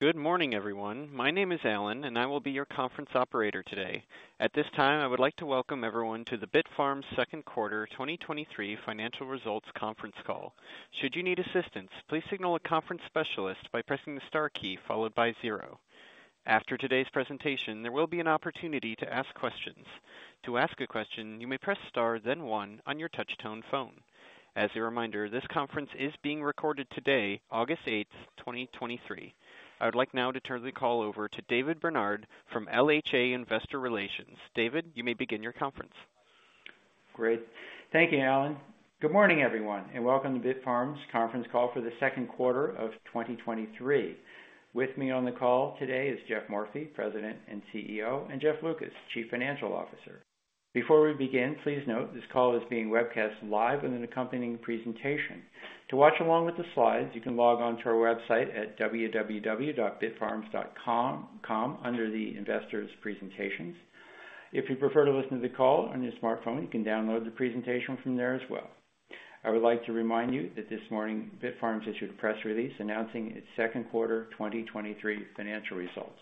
Good morning, everyone. My name is Alan, and I will be your conference operator today. At this time, I would like to welcome everyone to the Bitfarms second quarter 2023 financial results conference call. Should you need assistance, please signal a conference specialist by pressing the star key followed by zero. After today's presentation, there will be an opportunity to ask questions. To ask a question, you may press star, then one on your touchtone phone. As a reminder, this conference is being recorded today, August 8th, 2023. I would like now to turn the call over to David Barnard from LHA Investor Relations. David, you may begin your conference Great. Thank you, Alan. Welcome to Bitfarms conference call for the second quarter of 2023. With me on the call today is Geoff Morphy, President and CEO, and Jeff Lucas, Chief Financial Officer. Before we begin, please note, this call is being webcast live with an accompanying presentation. To watch along with the slides, you can log on to our website at www.bitfarms.com, under the Investors Presentations. If you prefer to listen to the call on your smartphone, you can download the presentation from there as well. I would like to remind you that this morning, Bitfarms issued a press release announcing its second quarter 2023 financial results.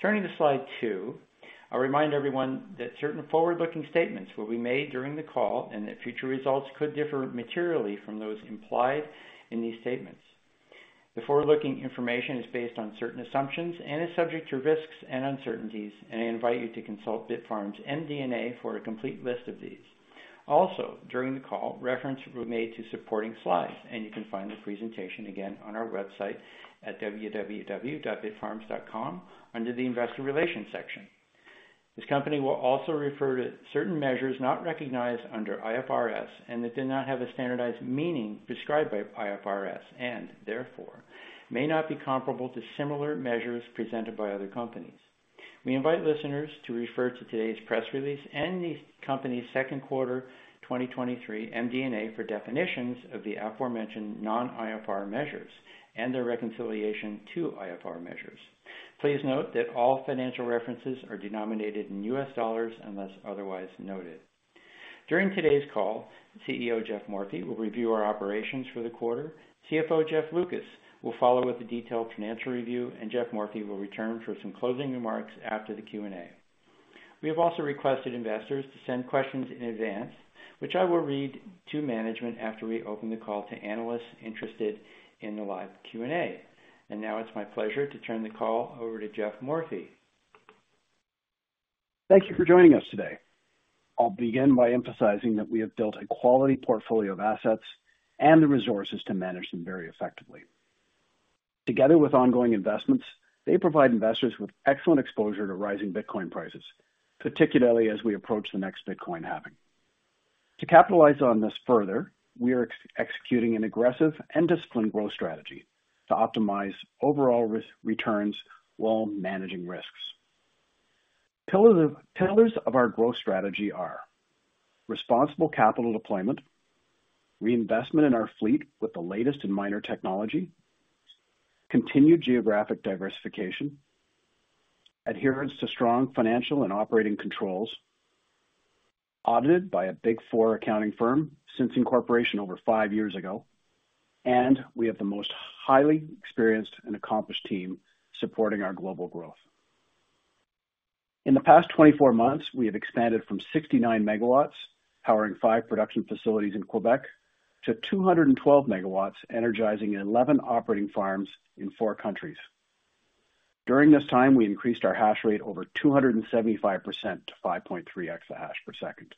Turning to slide 2, I'll remind everyone that certain forward-looking statements will be made during the call and that future results could differ materially from those implied in these statements. The forward-looking information is based on certain assumptions and is subject to risks and uncertainties, and I invite you to consult Bitfarms MD&A for a complete list of these. Also, during the call, reference will be made to supporting slides, and you can find the presentation again on our website at www.bitfarms.com under the Investor Relations section. This company will also refer to certain measures not recognized under IFRS and that do not have a standardized meaning prescribed by IFRS and therefore may not be comparable to similar measures presented by other companies. We invite listeners to refer to today's press release and the company's second quarter 2023 MD&A for definitions of the aforementioned non-IFRS measures and their reconciliation to IFRS measures. Please note that all financial references are denominated in U.S. dollars unless otherwise noted. During today's call, CEO Geoff Morphy will review our operations for the quarter. CFO Jeff Lucas will follow with a detailed financial review, and Geoff Morphy will return for some closing remarks after the Q&A. We have also requested investors to send questions in advance, which I will read to management after we open the call to analysts interested in the live Q&A. Now it's my pleasure to turn the call over to Geoff Morphy. Thank you for joining us today. I'll begin by emphasizing that we have built a quality portfolio of assets and the resources to manage them very effectively. Together with ongoing investments, they provide investors with excellent exposure to rising Bitcoin prices, particularly as we approach the next Bitcoin halving. To capitalize on this further, we are executing an aggressive and disciplined growth strategy to optimize overall risk returns while managing risks. Pillars of our growth strategy are responsible capital deployment, reinvestment in our fleet with the latest in miner technology, continued geographic diversification, adherence to strong financial and operating controls, audited by a Big 4 accounting firm since incorporation over five years ago, and we have the most highly experienced and accomplished team supporting our global growth. In the past 24 months, we have expanded from 69 MW, powering 5 production facilities in Quebec, to 212 MW, energizing 11 operating farms in 4 countries. During this time, we increased our hash rate over 275% to 5.3 exahash per second.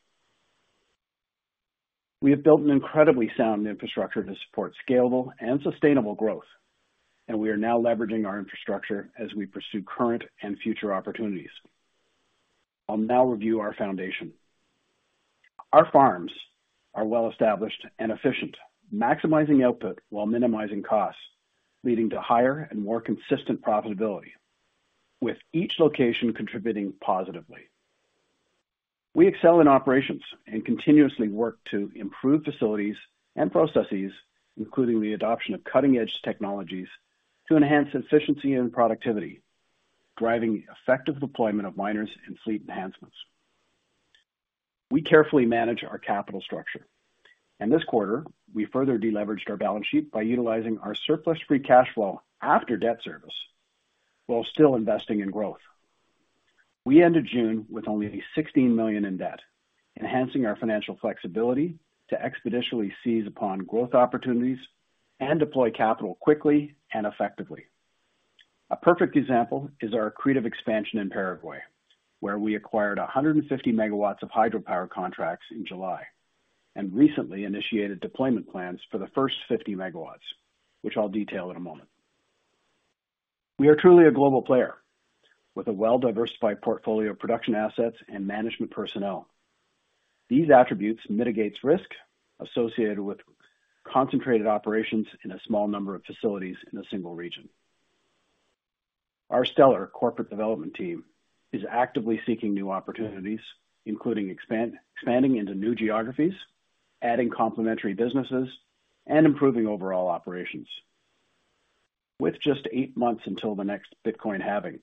We have built an incredibly sound infrastructure to support scalable and sustainable growth, and we are now leveraging our infrastructure as we pursue current and future opportunities. I'll now review our foundation. Our farms are well-established and efficient, maximizing output while minimizing costs, leading to higher and more consistent profitability, with each location contributing positively. We excel in operations and continuously work to improve facilities and processes, including the adoption of cutting-edge technologies, to enhance efficiency and productivity, driving effective deployment of miners and fleet enhancements. We carefully manage our capital structure, and this quarter, we further deleveraged our balance sheet by utilizing our surplus free cash flow after debt service, while still investing in growth. We ended June with only $16 million in debt, enhancing our financial flexibility to expeditiously seize upon growth opportunities and deploy capital quickly and effectively. A perfect example is our accretive expansion in Paraguay, where we acquired 150 MW of hydropower contracts in July and recently initiated deployment plans for the first 50 MW, which I'll detail in a moment. We are truly a global player with a well-diversified portfolio of production assets and management personnel. These attributes mitigates risk associated with concentrated operations in a small number of facilities in a single region. Our stellar corporate development team is actively seeking new opportunities, including expanding into new geographies, adding complementary businesses, and improving overall operations. With just eight months until the next Bitcoin halving,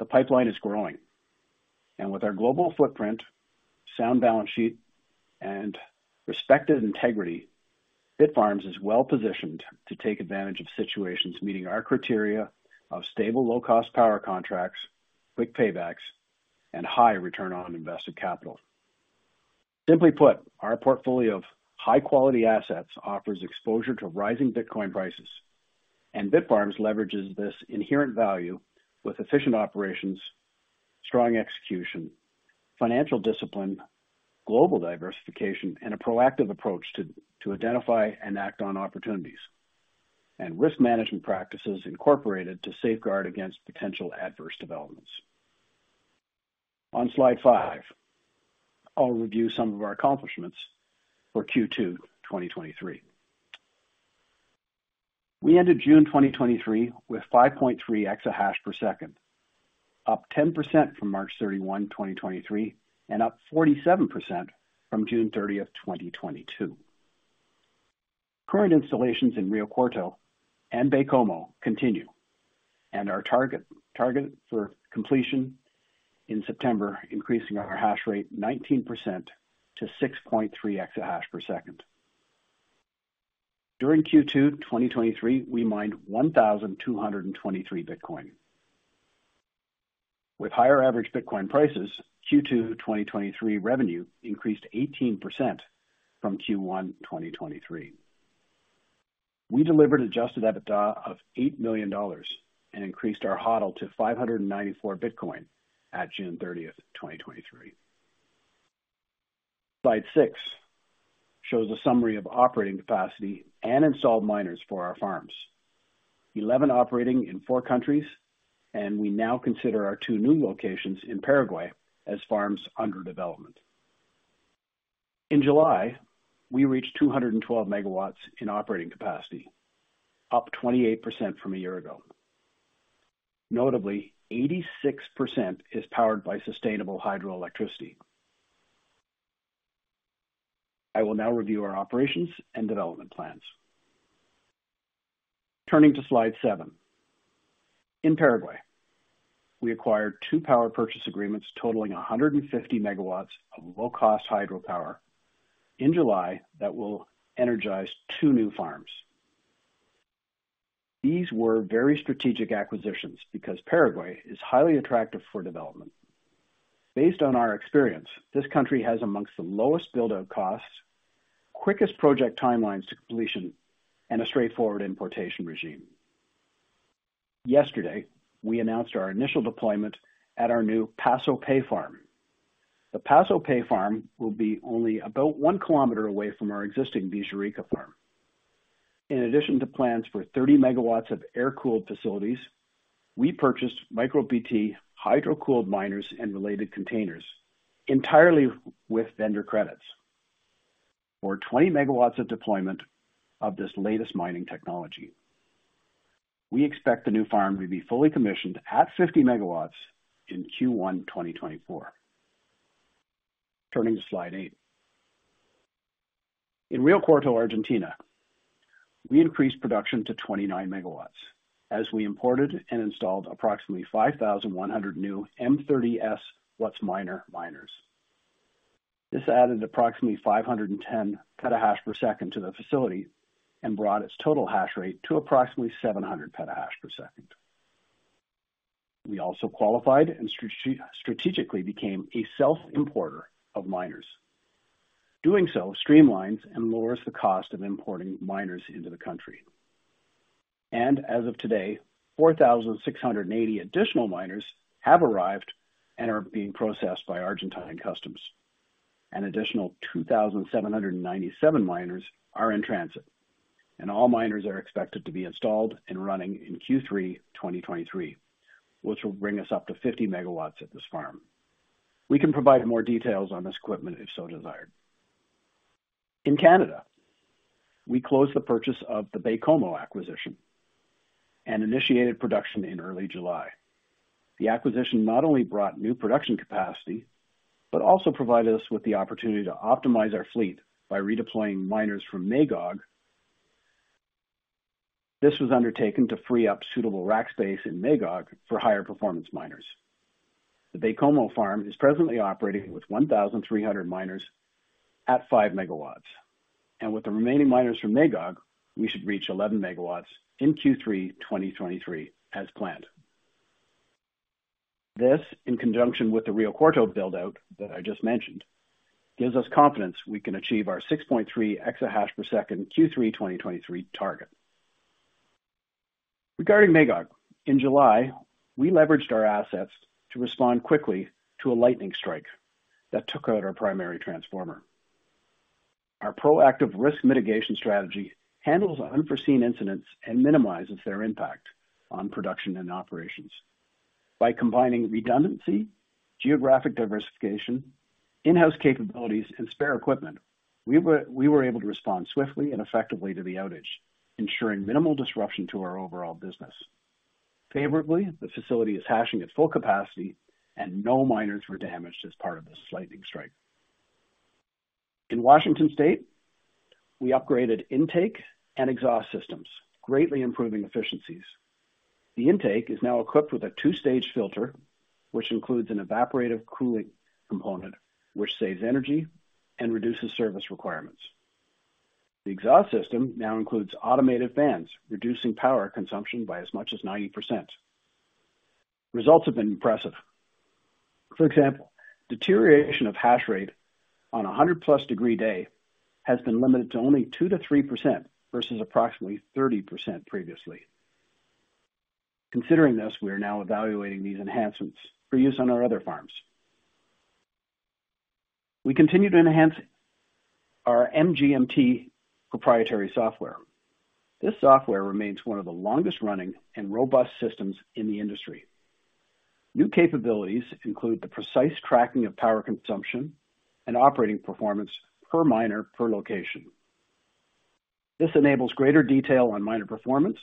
the pipeline is growing. With our global footprint, sound balance sheet, and respected integrity, Bitfarms is well-positioned to take advantage of situations meeting our criteria of stable, low-cost power contracts, quick paybacks, and high return on invested capital. Simply put, our portfolio of high-quality assets offers exposure to rising Bitcoin prices, and Bitfarms leverages this inherent value with efficient operations, strong execution, financial discipline, global diversification, and a proactive approach to identify and act on opportunities, and risk management practices incorporated to safeguard against potential adverse developments. On slide 5, I'll review some of our accomplishments for Q2 2023. We ended June 2023 with 5.3 exahash per second, up 10% from March 31, 2023, and up 47% from June 30th, 2022. Current installations in Rio Cuarto and Baie-Comeau continue, and our target for completion in September, increasing our hash rate 19% to 6.3 exahash per second. During Q2 2023, we mined 1,223 Bitcoin. With higher average Bitcoin prices, Q2 2023 revenue increased 18% from Q1 2023. We delivered Adjusted EBITDA of $8 million and increased our HODL to 594 Bitcoin at June 30th, 2023. Slide 6 shows a summary of operating capacity and installed miners for our farms. 11 operating in four countries, and we now consider our two new locations in Paraguay as farms under development. In July, we reached 212 MW in operating capacity, up 28% from a year ago. Notably, 86% is powered by sustainable hydroelectricity. I will now review our operations and development plans. Turning to slide 7. In Paraguay, we acquired two power purchase agreements totaling 150 MW of low-cost hydropower in July that will energize two new farms. These were very strategic acquisitions because Paraguay is highly attractive for development. Based on our experience, this country has amongst the lowest build-out costs, quickest project timelines to completion, and a straightforward importation regime. Yesterday, we announced our initial deployment at our new Paso Pe farm. The Paso Pe farm will be only about 1 km away from our existing Villa Rica farm. In addition to plans for 30 MW of air-cooled facilities, we purchased MicroBT hydro-cooled miners and related containers, entirely with vendor credits, for 20 MW of deployment of this latest mining technology. We expect the new farm to be fully commissioned at 50 MW in Q1 2024. Turning to slide 8. In Rio Cuarto, Argentina, we increased production to 29 MW as we imported and installed approximately 5,100 new M30S WhatsMiner miners. This added approximately 510 petahash per second to the facility and brought its total hash rate to approximately 700 petahash per second. We also qualified and strategically became a self-importer of miners. Doing so streamlines and lowers the cost of importing miners into the country. As of today, 4,680 additional miners have arrived and are being processed by Argentine customs. An additional 2,797 miners are in transit, and all miners are expected to be installed and running in Q3 2023, which will bring us up to 50 MW at this farm. We can provide more details on this equipment if so desired. In Canada, we closed the purchase of the Baie-Comeau acquisition and initiated production in early July. The acquisition not only brought new production capacity, but also provided us with the opportunity to optimize our fleet by redeploying miners from Magog. This was undertaken to free up suitable rack space in Magog for higher performance miners. The Baie-Comeau farm is presently operating with 1,300 miners at 5 MW, and with the remaining miners from Magog, we should reach 11 MW in Q3 2023 as planned. This, in conjunction with the Rio Cuarto build-out that I just mentioned, gives us confidence we can achieve our 6.3 exahash per second Q3 2023 target. Regarding Magog, in July, we leveraged our assets to respond quickly to a lightning strike that took out our primary transformer. Our proactive risk mitigation strategy handles unforeseen incidents and minimizes their impact on production and operations. By combining redundancy, geographic diversification, in-house capabilities, and spare equipment, we were able to respond swiftly and effectively to the outage, ensuring minimal disruption to our overall business. Favorably, the facility is hashing at full capacity and no miners were damaged as part of this lightning strike. In Washington State, we upgraded intake and exhaust systems, greatly improving efficiencies. The intake is now equipped with a two-stage filter, which includes an evaporative cooling component, which saves energy and reduces service requirements. The exhaust system now includes automated fans, reducing power consumption by as much as 90%. Results have been impressive. For example, deterioration of hash rate on a 100+ degree day has been limited to only 2%-3% versus approximately 30% previously. Considering this, we are now evaluating these enhancements for use on our other farms. We continue to enhance our MGMT proprietary software. This software remains one of the longest running and robust systems in the industry. New capabilities include the precise tracking of power consumption and operating performance per miner per location. This enables greater detail on miner performance,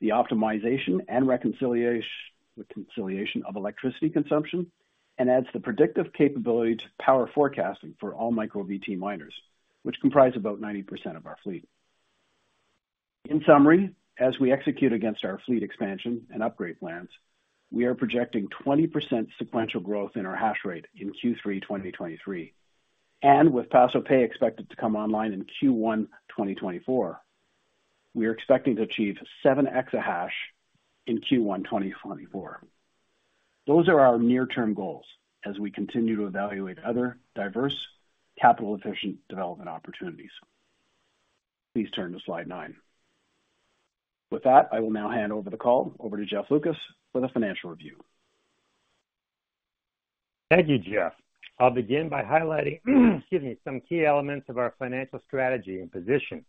the optimization and reconciliation of electricity consumption, and adds the predictive capability to power forecasting for all MicroBT miners, which comprise about 90% of our fleet. In summary, as we execute against our fleet expansion and upgrade plans, we are projecting 20% sequential growth in our hash rate in Q3 2023, and with Paso Pe expected to come online in Q1 2024, we are expecting to achieve 7 exahash in Q1 2024. Those are our near-term goals as we continue to evaluate other diverse, capital-efficient development opportunities. Please turn to slide 9. With that, I will now hand over the call over to Jeff Lucas for the financial review. Thank you, Geoff. I'll begin by highlighting, excuse me, some key elements of our financial strategy and position.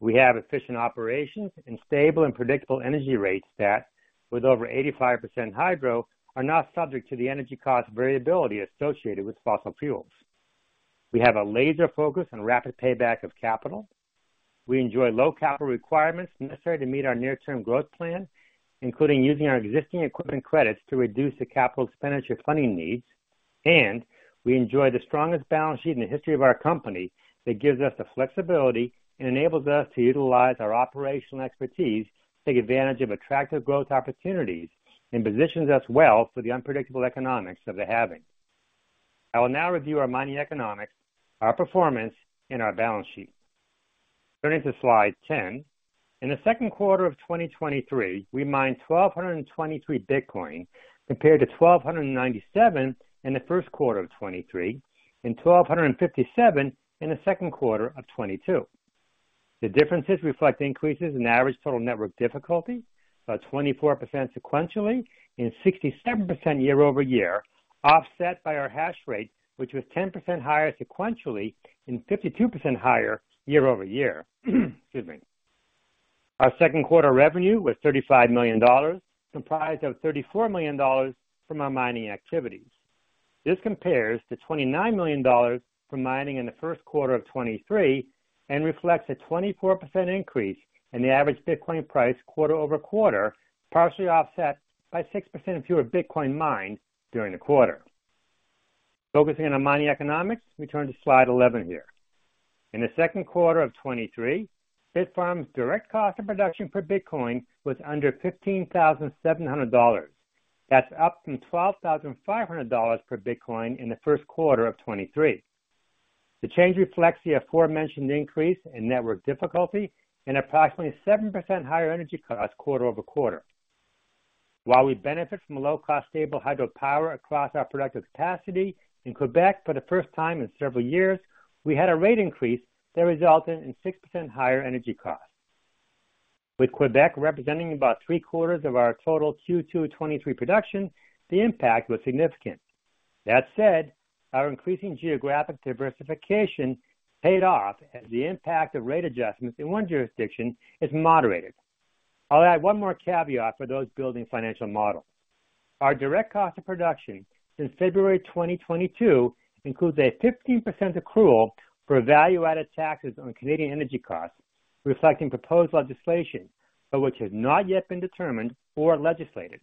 We have efficient operations and stable and predictable energy rates that, with over 85% hydro, are not subject to the energy cost variability associated with fossil fuels. We have a laser focus on rapid payback of capital. We enjoy low capital requirements necessary to meet our near-term growth plan, including using our existing equipment credits to reduce the capital expenditure funding needs. We enjoy the strongest balance sheet in the history of our company, that gives us the flexibility and enables us to utilize our operational expertise to take advantage of attractive growth opportunities, and positions us well for the unpredictable economics of the halving. I will now review our mining economics, our performance, and our balance sheet. Turning to slide 10. In the second quarter of 2023, we mined 1,223 Bitcoin, compared to 1,297 in the first quarter of 2023, and 1,257 in the second quarter of 2022. The differences reflect increases in average total network difficulty, about 24% sequentially and 67% year-over-year, offset by our hash rate, which was 10% higher sequentially and 52% higher year-over-year. Excuse me. Our second quarter revenue was $35 million, comprised of $34 million from our mining activities. This compares to $29 million from mining in the first quarter of 2023, and reflects a 24% increase in the average Bitcoin price quarter-over-quarter, partially offset by 6% fewer Bitcoin mined during the quarter. Focusing on the mining economics, we turn to slide 11 here. In the second quarter of 2023, Bitfarms' direct cost of production per Bitcoin was under $15,700. That's up from $12,500 per Bitcoin in the first quarter of 2023. The change reflects the aforementioned increase in network difficulty and approximately 7% higher energy costs quarter-over-quarter. While we benefit from a low-cost, stable hydropower across our productive capacity in Quebec for the first time in several years, we had a rate increase that resulted in 6% higher energy costs. With Quebec representing about three-quarters of our total Q2 2023 production, the impact was significant. That said, our increasing geographic diversification paid off as the impact of rate adjustments in one jurisdiction is moderated. I'll add one more caveat for those building financial models. Our direct cost of production since February 2022 includes a 15% accrual for value-added taxes on Canadian energy costs, reflecting proposed legislation, but which has not yet been determined or legislated.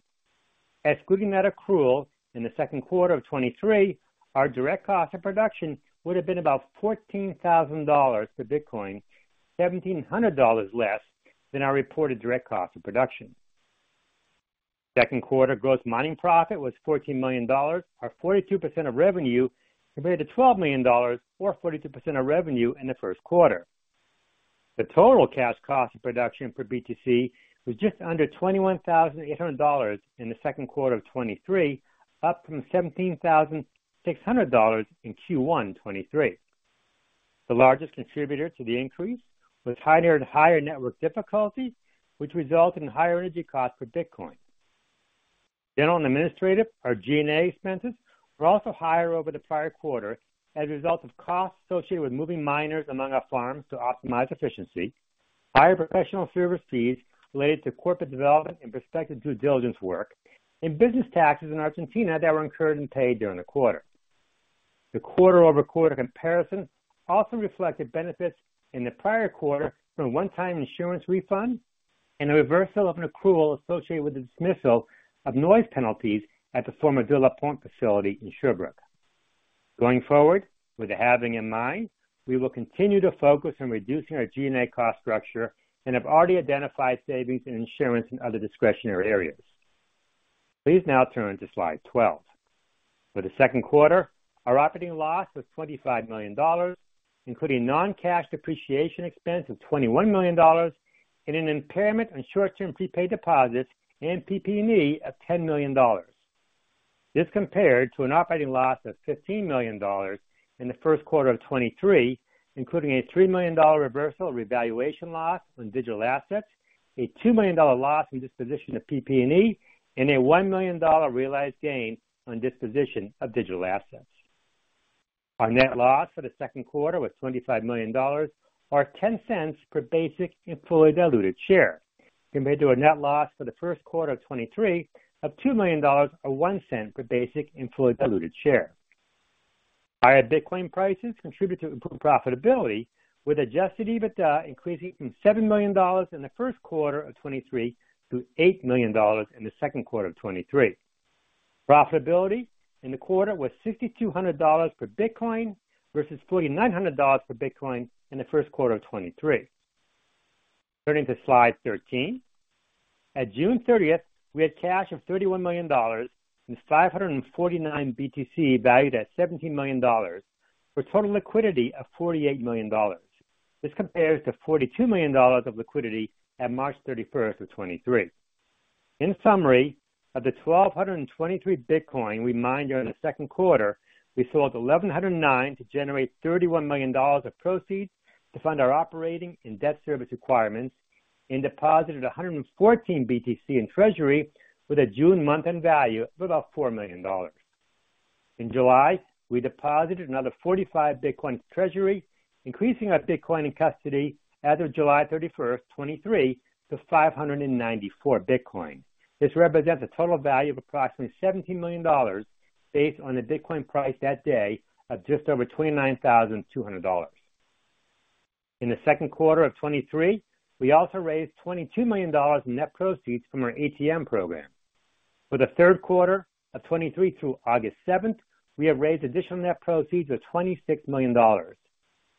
Excluding that accrual in the second quarter of 2023, our direct cost of production would have been about $14,000 per Bitcoin, $1,700 less than our reported direct cost of production. Second quarter gross mining profit was $14 million, or 42% of revenue, compared to $12 million or 42% of revenue in the first quarter. The total cash cost of production per BTC was just under $21,800 in the second quarter of 2023, up from $17,600 in Q1 2023. The largest contributor to the increase was higher and higher network difficulty, which resulted in higher energy costs per Bitcoin. General and administrative, our G&A expenses, were also higher over the prior quarter as a result of costs associated with moving miners among our farms to optimize efficiency, higher professional service fees related to corporate development and prospective due diligence work, and business taxes in Argentina that were incurred and paid during the quarter. The quarter-over-quarter comparison also reflected benefits in the prior quarter from a one-time insurance refund. And a reversal of an accrual associated with the dismissal of noise penalties at the former De La Pointe facility in Sherbrooke. Going forward, with the halving in mind, we will continue to focus on reducing our G&A cost structure and have already identified savings in insurance and other discretionary areas. Please now turn to slide 12. For the second quarter, our operating loss was $25 million, including non-cash depreciation expense of $21 million, and an impairment on short-term prepaid deposits and PP&E of $10 million. This compared to an operating loss of $15 million in the first quarter of 2023, including a $3 million reversal revaluation loss on digital assets, a $2 million loss in disposition of PP&E, and a $1 million realized gain on disposition of digital assets. Our net loss for the second quarter was $25 million, or $0.10 per basic and fully diluted share, compared to a net loss for the first quarter of 2023 of $2 million, or $0.01 per basic and fully diluted share. Higher Bitcoin prices contributed to improved profitability, with Adjusted EBITDA increasing from $7 million in the first quarter of 2023 to $8 million in the second quarter of 2023. Profitability in the quarter was $6,200 per Bitcoin, versus $4,900 per Bitcoin in the first quarter of 2023. Turning to slide 13. At June 30th, we had cash of $31 million and 549 BTC, valued at $17 million, for total liquidity of $48 million. This compares to $42 million of liquidity at March 31st, 2023. In summary, of the 1,223 Bitcoin we mined during the second quarter, we sold 1,109 to generate $31 million of proceeds to fund our operating and debt service requirements, and deposited 114 BTC in Treasury with a June month-end value of about $4 million. In July, we deposited another 45 Bitcoin to Treasury, increasing our Bitcoin in custody as of July 31st, 2023, to 594 Bitcoin. This represents a total value of approximately $17 million, based on the Bitcoin price that day of just over $29,200. In the second quarter of 2023, we also raised $22 million in net proceeds from our ATM program. For the third quarter of 2023 through August 7th, we have raised additional net proceeds of $26 million.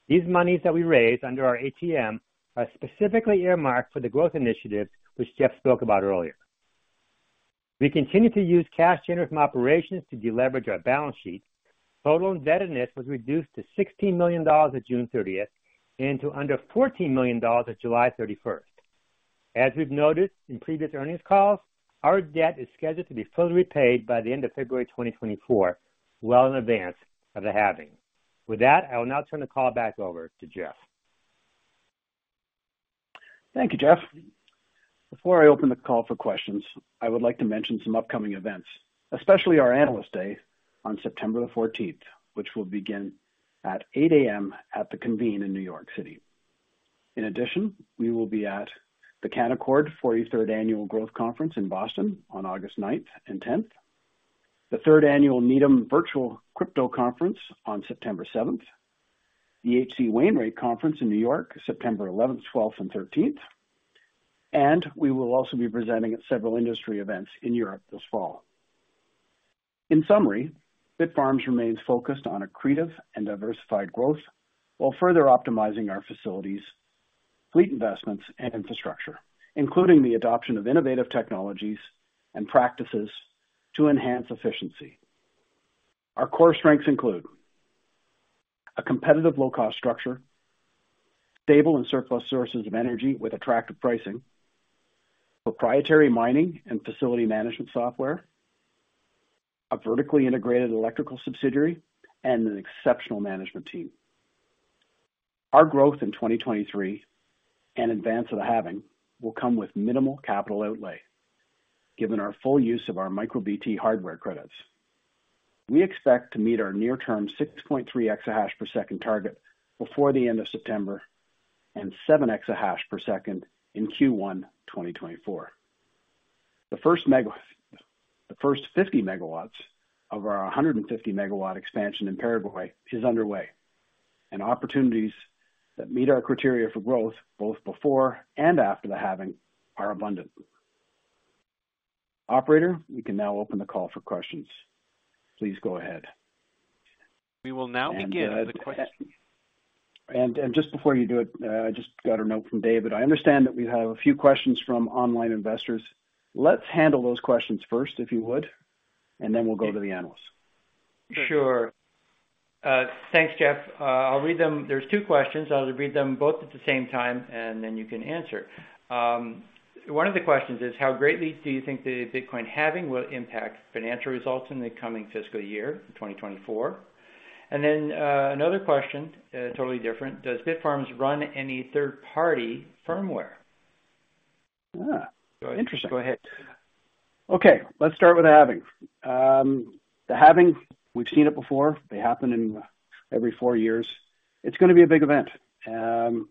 These monies that we raised under our ATM are specifically earmarked for the growth initiatives, which Geoff spoke about earlier. We continue to use cash generated from operations to deleverage our balance sheet. Total indebtedness was reduced to $16 million on June 30th, and to under $14 million on July 31st. As we've noted in previous earnings calls, our debt is scheduled to be fully repaid by the end of February 2024, well in advance of the halving. With that, I will now turn the call back over to Geoff. Thank you, Jeff. Before I open the call for questions, I would like to mention some upcoming events, especially our Analyst Day on September 14th, which will begin at 8:00 A.M. at the Convene in New York City. In addition, we will be at the Canaccord 43rd Annual Growth Conference in Boston on August 9th and 10th, the 3rd annual Needham Virtual Crypto Conference on September 7th, the H.C. Wainwright Conference in New York, September 11th, 12th, and 13th, and we will also be presenting at several industry events in Europe this fall. In summary, Bitfarms remains focused on accretive and diversified growth, while further optimizing our facilities, fleet investments, and infrastructure, including the adoption of innovative technologies and practices to enhance efficiency. Our core strengths include a competitive low-cost structure, stable and surplus sources of energy with attractive pricing, proprietary mining and facility management software, a vertically integrated electrical subsidiary, and an exceptional management team. Our growth in 2023 in advance of the halving will come with minimal capital outlay, given our full use of our MicroBT hardware credits. We expect to meet our near-term 6.3 exahash per second target before the end of September, and 7 exahash per second in Q1 2024. The first 50 MW of our 150 MW expansion in Paraguay is underway, and opportunities that meet our criteria for growth, both before and after the halving, are abundant. Operator, we can now open the call for questions. Please go ahead. We will now begin with the question. Just before you do it, I just got a note from David. I understand that we have a few questions from online investors. Let's handle those questions first, if you would, and then we'll go to the analysts. Sure. Thanks, Geoff. I'll read them. There's two questions. I'll read them both at the same time, and then you can answer. One of the questions is: How greatly do you think the Bitcoin halving will impact financial results in the coming fiscal year, 2024? Then, another question, totally different: Does Bitfarms run any third-party firmware? Ah, interesting. Go ahead. Okay, let's start with the halving. The halving, we've seen it before. They happen in every four years. It's gonna be a big event, and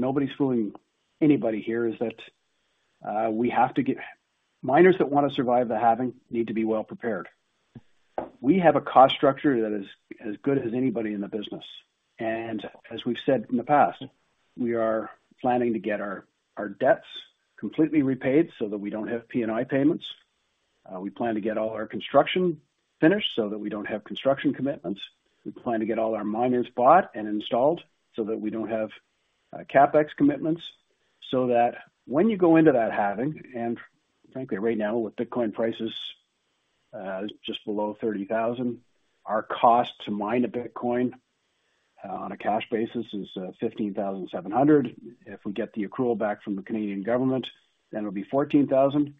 nobody's fooling anybody here is that miners that want to survive the halving need to be well prepared. We have a cost structure that is as good as anybody in the business, and as we've said in the past, we are planning to get our, our debts completely repaid so that we don't have P&I payments. We plan to get all our construction finished so that we don't have construction commitments. We plan to get all our miners bought and installed so that we don't have CapEx commitments, so that when you go into that halving, and frankly, right now with Bitcoin prices, just below $30,000, our cost to mine a Bitcoin on a cash basis is $15,700. If we get the accrual back from the Canadian government, then it'll be $14,000.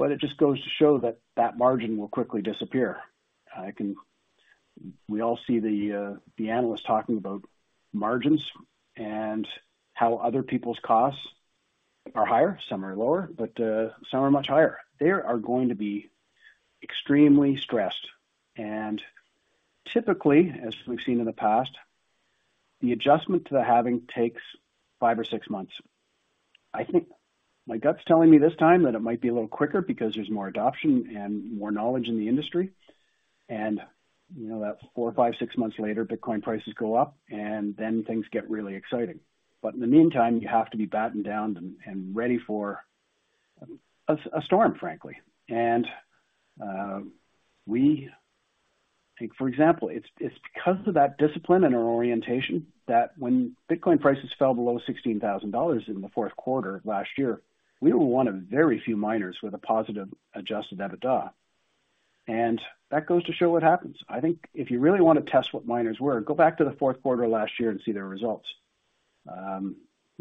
It just goes to show that that margin will quickly disappear. We all see the analyst talking about margins and how other people's costs are higher, some are lower, but some are much higher. They are going to be extremely stressed, and typically, as we've seen in the past, the adjustment to the halving takes five or six months. I think my gut's telling me this time that it might be a little quicker because there's more adoption and more knowledge in the industry, and, you know, that four, five, six months later, Bitcoin prices go up, and then things get really exciting. In the meantime, you have to be battened down and ready for a storm, frankly. We... Take, for example, it's because of that discipline and our orientation that when Bitcoin prices fell below $16,000 in the fourth quarter of last year, we were one of very few miners with a positive, Adjusted EBITDA, and that goes to show what happens. I think if you really want to test what miners were, go back to the fourth quarter of last year and see their results. We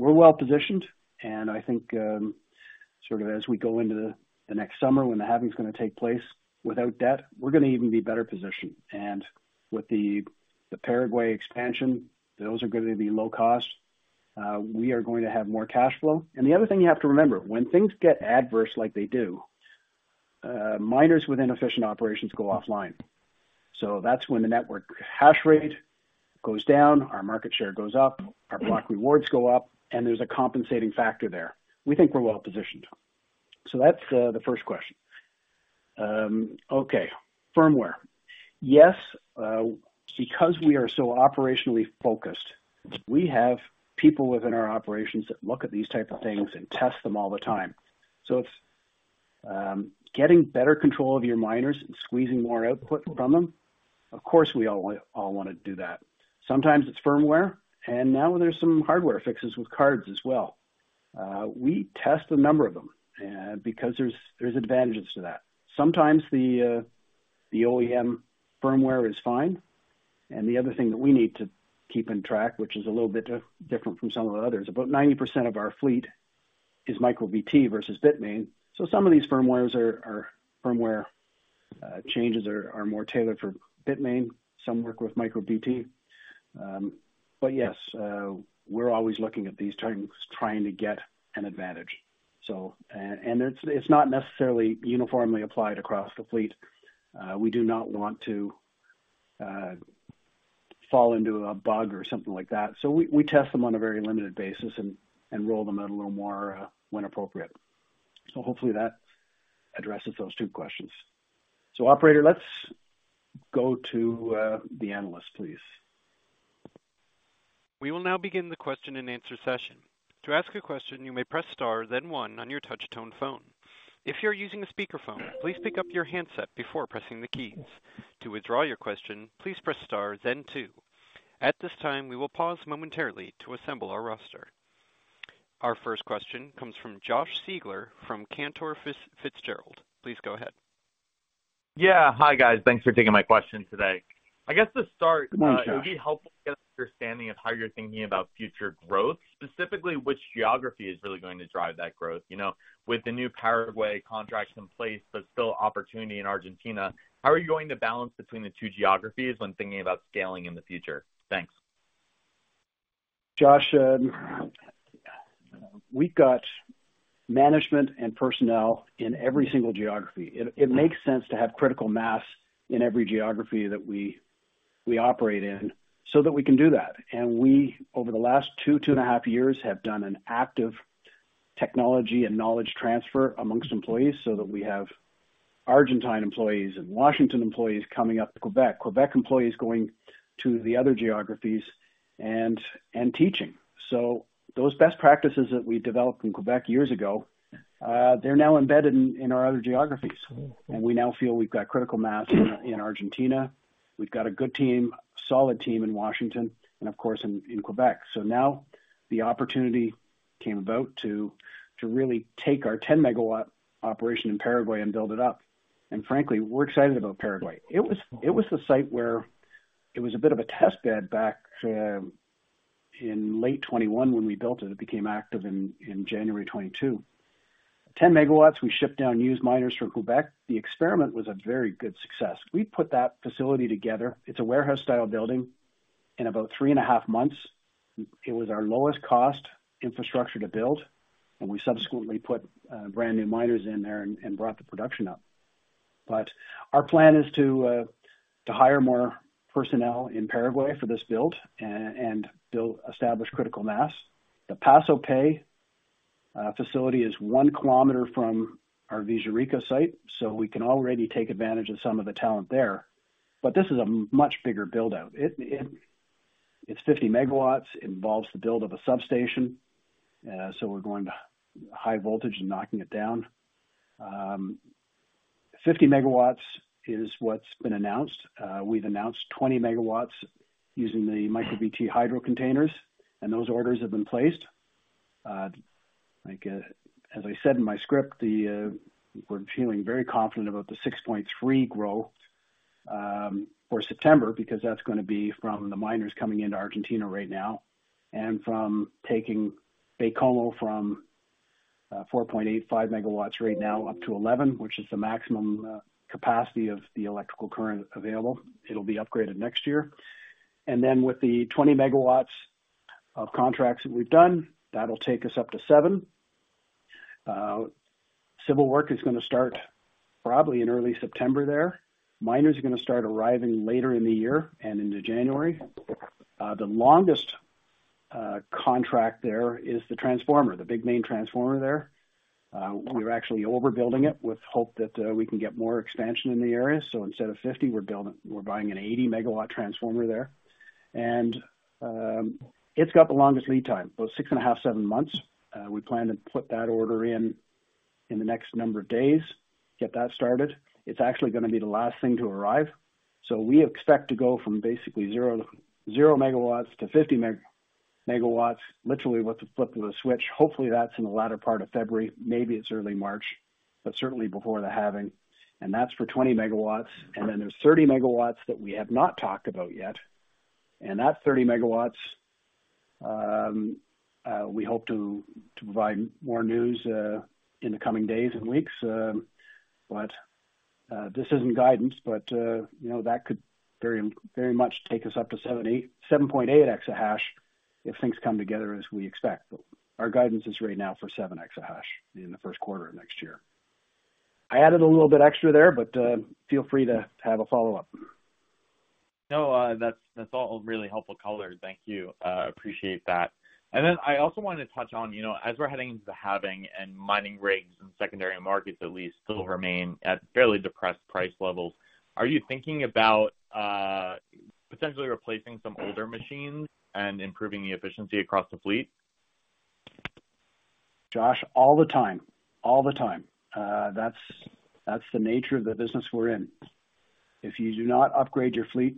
are well-positioned, and I think, sort of as we go into the next summer when the halving is going to take place without debt, we are going to even be better positioned. With the, the Paraguay expansion, those are going to be low cost. We are going to have more cash flow. The other thing you have to remember, when things get adverse like they do, miners with inefficient operations go offline. That is when the network hash rate goes down, our market share goes up, our block rewards go up, and there is a compensating factor there. We think we are well-positioned. That is the first question. Okay, firmware. Yes, because we are so operationally focused, we have people within our operations that look at these type of things and test them all the time. If, getting better control of your miners and squeezing more output from them, of course, we all, all wanna do that. Sometimes it's firmware, and now there's some hardware fixes with cards as well. We test a number of them, because there's, there's advantages to that. Sometimes the OEM firmware is fine, and the other thing that we need to keep in track, which is a little bit different from some of the others, about 90% of our fleet is MicroBT versus Bitmain. Some of these firmwares are, are firmware changes are, are more tailored for Bitmain. Some work with MicroBT. But yes, we're always looking at these things, trying to get an advantage. And, and it's, it's not necessarily uniformly applied across the fleet. We do not want to fall into a bug or something like that, so we, we test them on a very limited basis and, and roll them out a little more when appropriate. Hopefully that addresses those two questions. Operator, let's go to the analyst, please. We will now begin the question-and-answer session. To ask a question, you may press star, then one on your touch tone phone. If you're using a speakerphone, please pick up your handset before pressing the keys. To withdraw your question, please press star, then two. At this time, we will pause momentarily to assemble our roster. Our first question comes from Josh Siegler from Cantor Fitzgerald. Please go ahead. Yeah. Hi, guys. Thanks for taking my question today. I guess to start- Hi, Josh. It would be helpful to get an understanding of how you're thinking about future growth, specifically, which geography is really going to drive that growth. You know, with the new Paraguay contracts in place, there's still opportunity in Argentina. How are you going to balance between the two geographies when thinking about scaling in the future? Thanks. Josh, we've got management and personnel in every single geography. It makes sense to have critical mass in every geography that we operate in so that we can do that. We, over the last 2, 2.5 years, have done an active technology and knowledge transfer amongst employees so that we have Argentine employees and Washington employees coming up to Quebec. Quebec employees going to the other geographies and teaching. Those best practices that we developed in Quebec years ago, they're now embedded in our other geographies, and we now feel we've got critical mass in Argentina. We've got a good team, solid team in Washington and of course, in Quebec. Now the opportunity came about to really take our 10 MW operation in Paraguay and build it up. Frankly, we're excited about Paraguay. It was, it was a site where it was a bit of a test bed back in late 2021 when we built it. It became active in January 2022. 10 MW, we shipped down used miners from Quebec. The experiment was a very good success. We put that facility together, it's a warehouse-style building, in about three and a half months. It was our lowest cost infrastructure to build, and we subsequently put brand-new miners in there and brought the production up. Our plan is to hire more personnel in Paraguay for this build and build... Establish critical mass. The Paso Pe facility is one kilometer from our Villa Rica site, so we can already take advantage of some of the talent there. This is a much bigger build-out. It, it, it's 50 MW, involves the build of a substation, so we're going to high voltage and knocking it down. 50 MW is what's been announced. We've announced 20 MW using the MicroBT Hydro Containers, and those orders have been placed. As I said in my script, we're feeling very confident about the 6.3 growth for September, because that's gonna be from the miners coming into Argentina right now, and from taking Baie-Comeau from 4.85 MW right now up to 11, which is the maximum capacity of the electrical current available. It'll be upgraded next year. With the 20 MW of contracts that we've done, that'll take us up to 7. Civil work is gonna start probably in early September there. Miners are gonna start arriving later in the year and into January. The longest contract there is the transformer, the big main transformer there. We're actually overbuilding it with hope that we can get more expansion in the area. Instead of 50, we're building, we're buying an 80 MW transformer there. It's got the longest lead time, about 6.5, 7 months. We plan to put that order in, in the next number of days, get that started. It's actually gonna be the last thing to arrive, so we expect to go from basically zero, zero megawatts to 50 MW, literally with the flip of a switch. Hopefully, that's in the latter part of February, maybe it's early March, but certainly before the halving, and that's for 20 MW. Then there's 30 MW that we have not talked about yet, and that 30 MW, we hope to provide more news in the coming days and weeks. This isn't guidance, but, you know, that could very, very much take us up to 7.8 exahash if things come together as we expect. Our guidance is right now for 7 exahash in the first quarter of next year. I added a little bit extra there, but, feel free to have a follow-up. No, that's, that's all really helpful color. Thank you. Appreciate that. Then I also wanted to touch on, you know, as we're heading into the halving and mining rigs and secondary markets at least still remain at fairly depressed price levels, are you thinking about, potentially replacing some older machines and improving the efficiency across the fleet? Josh, all the time. All the time. That's, that's the nature of the business we're in. If you do not upgrade your fleet,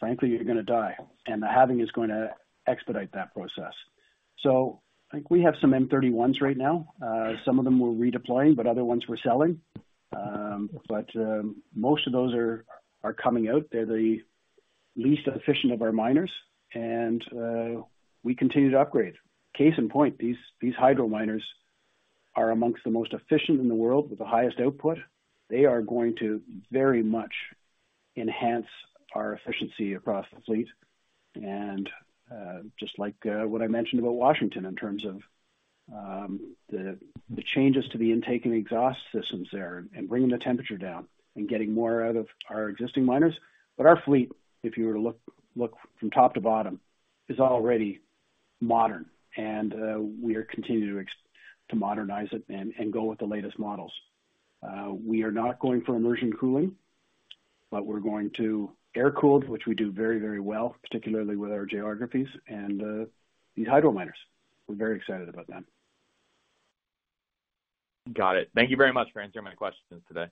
frankly, you're gonna die, and the halving is gonna expedite that process. I think we have some M31S right now. Some of them we're redeploying, but other ones we're selling. Most of those are, are coming out. They're the least efficient of our miners, and we continue to upgrade. Case in point, these, these hydro miners are amongst the most efficient in the world with the highest output. They are going to very much enhance our efficiency across the fleet. Just like what I mentioned about Washington State in terms of, the, the changes to the intake and exhaust systems there and bringing the temperature down and getting more out of our existing miners. Our fleet, if you were to look, look from top to bottom, is already modern, and we are continuing to modernize it and go with the latest models. We are not going for immersion cooling, but we're going to air-cooled, which we do very, very well, particularly with our geographies and the hydro miners. We're very excited about that. Got it. Thank you very much for answering my questions today.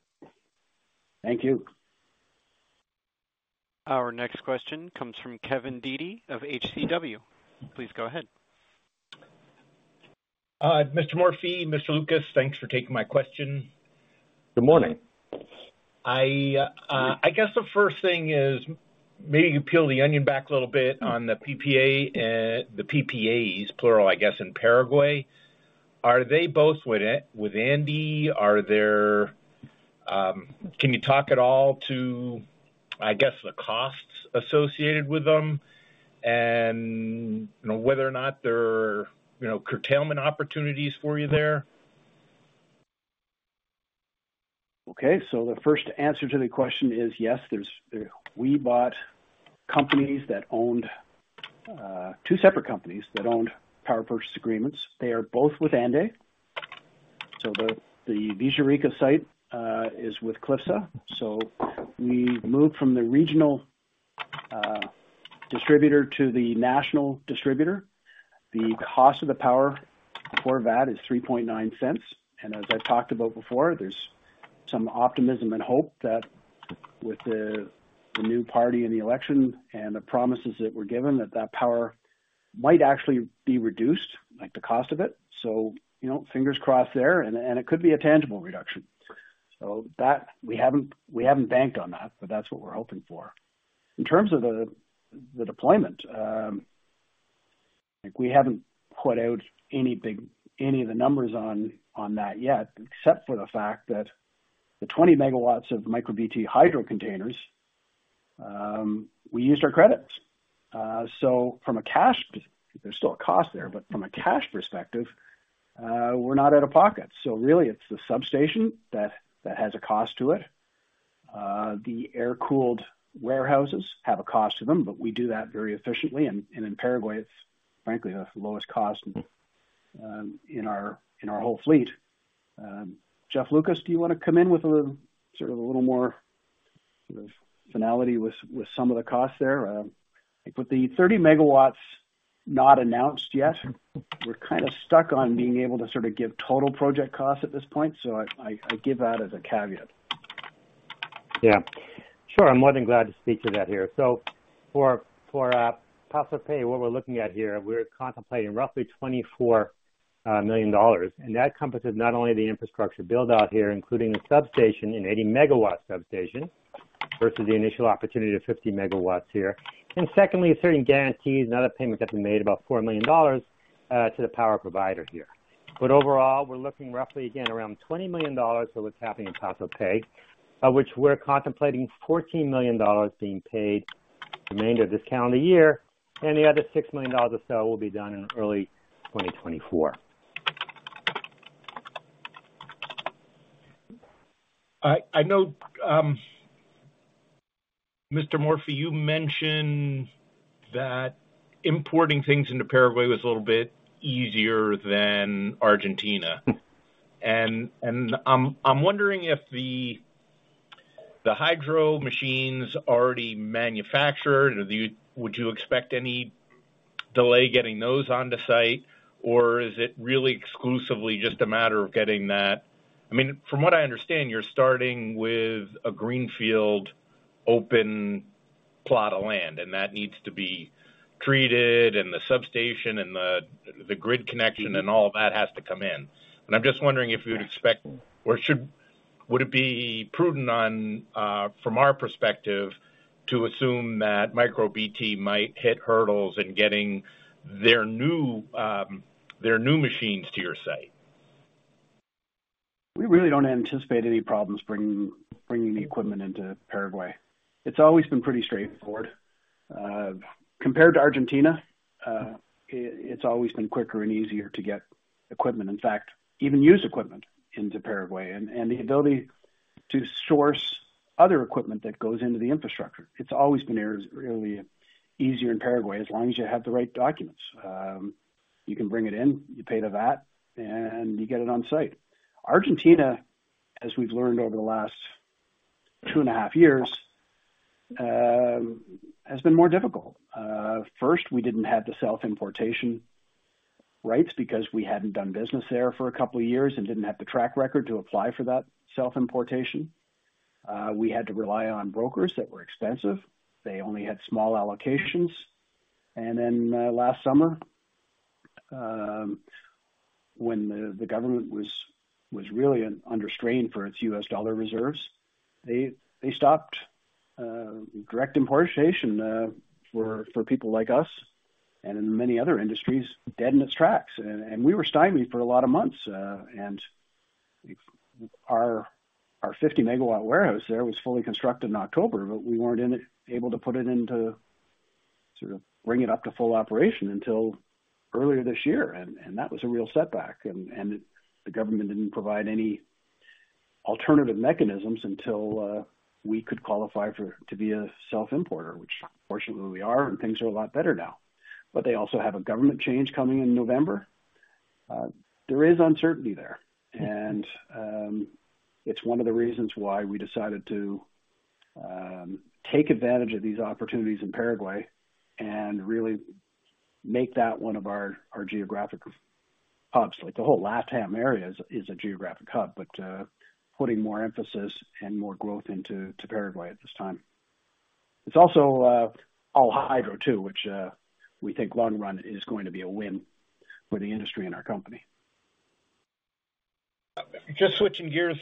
Thank you. Our next question comes from Kevin Dede of HCW. Please go ahead. Mr. Morphy, Mr. Lucas, thanks for taking my question. Good morning. I, I guess the 1st thing is, maybe you peel the onion back a little bit on the PPA, eh, the PPAs, plural, I guess, in Paraguay. Are they both with ANDE? Are there? Can you talk at all to, I guess, the costs associated with them and, you know, whether or not there are, you know, curtailment opportunities for you there? Okay. The first answer to the question is, yes, there's- we bought companies that owned 2 separate companies that owned power purchase agreements. They are both with ANDE. The, the Villa Rica site is with CLYFSA. We moved from the regional distributor to the national distributor. The cost of the power for that is $0.039. As I've talked about before, there's some optimism and hope that with the, the new party in the election and the promises that were given, that that power might actually be reduced, like the cost of it. You know, fingers crossed there, and, and it could be a tangible reduction. That we haven't, we haven't banked on that, but that's what we're hoping for. In terms of the, the deployment, like, we haven't put out any big, any of the numbers on, on that yet, except for the fact that the 20 MW of MicroBT hydro containers, we used our credits. From a cash, there's still a cost there, but from a cash perspective, we're not out of pocket. Really, it's the substation that, that has a cost to it. The air-cooled warehouses have a cost to them, but we do that very efficiently. In Paraguay, it's frankly the lowest cost in our, in our whole fleet. Jeff Lucas, do you wanna come in with a sort of a little more sort of finality with, with some of the costs there? With the 30 MW not announced yet, we're kinda stuck on being able to sort of give total project costs at this point. I, I, I give that as a caveat. Yeah, sure. I'm more than glad to speak to that here. So for, for Paso Pe, what we're looking at here, we're contemplating roughly $24 million, and that encompasses not only the infrastructure build-out here, including the substation and 80 MW substation, versus the initial opportunity to 50 MW here. Secondly, a certain guarantee, another payment that we made, about $4 million to the power provider here. Overall, we're looking roughly again, around $20 million of what's happening in Paso Pe, of which we're contemplating $14 million being paid remainder of this calendar year, and the other $6 million or so will be done in early 2024. I know, Mr. Morphy, you mentioned that importing things into Paraguay was a little bit easier than Argentina. I'm wondering if the hydro machines already manufactured, or would you expect any delay getting those on the site, or is it really exclusively just a matter of getting that... I mean, from what I understand, you're starting with a greenfield, open plot of land, and that needs to be treated, and the substation and the grid connection and all of that has to come in. I'm just wondering if you would expect or would it be prudent on from our perspective, to assume that MicroBT might hit hurdles in getting their new, their new machines to your site? We really don't anticipate any problems bringing, bringing the equipment into Paraguay. It's always been pretty straightforward. Compared to Argentina, it's always been quicker and easier to get equipment, in fact, even used equipment into Paraguay, and, and the ability to source other equipment that goes into the infrastructure. It's always been really easier in Paraguay, as long as you have the right documents. You can bring it in, you pay the VAT, and you get it on site. Argentina, as we've learned over the last two and a half years, has been more difficult. First, we didn't have the self-importation rights because we hadn't done business there for 2 years and didn't have the track record to apply for that self-importation. We had to rely on brokers that were expensive. They only had small allocations. Then, last summer, when the government was really under strain for its U.S. dollar reserves, they stopped direct importation for people like us and in many other industries, dead in its tracks. We were stymied for a lot of months, and our 50 MW warehouse there was fully constructed in October, but we weren't in it, able to put it into, sort of bring it up to full operation until earlier this year, and that was a real setback. The government didn't provide any alternative mechanisms until we could qualify for, to be a self-importer, which fortunately we are, and things are a lot better now. They also have a government change coming in November. There is uncertainty there, and it's one of the reasons why we decided to take advantage of these opportunities in Paraguay and really make that one of our, our geographic hubs. Like, the whole LATAM area is a, is a geographic hub, but putting more emphasis and more growth into, to Paraguay at this time. It's also all hydro, too, which we think long run is going to be a win for the industry and our company. Just switching gears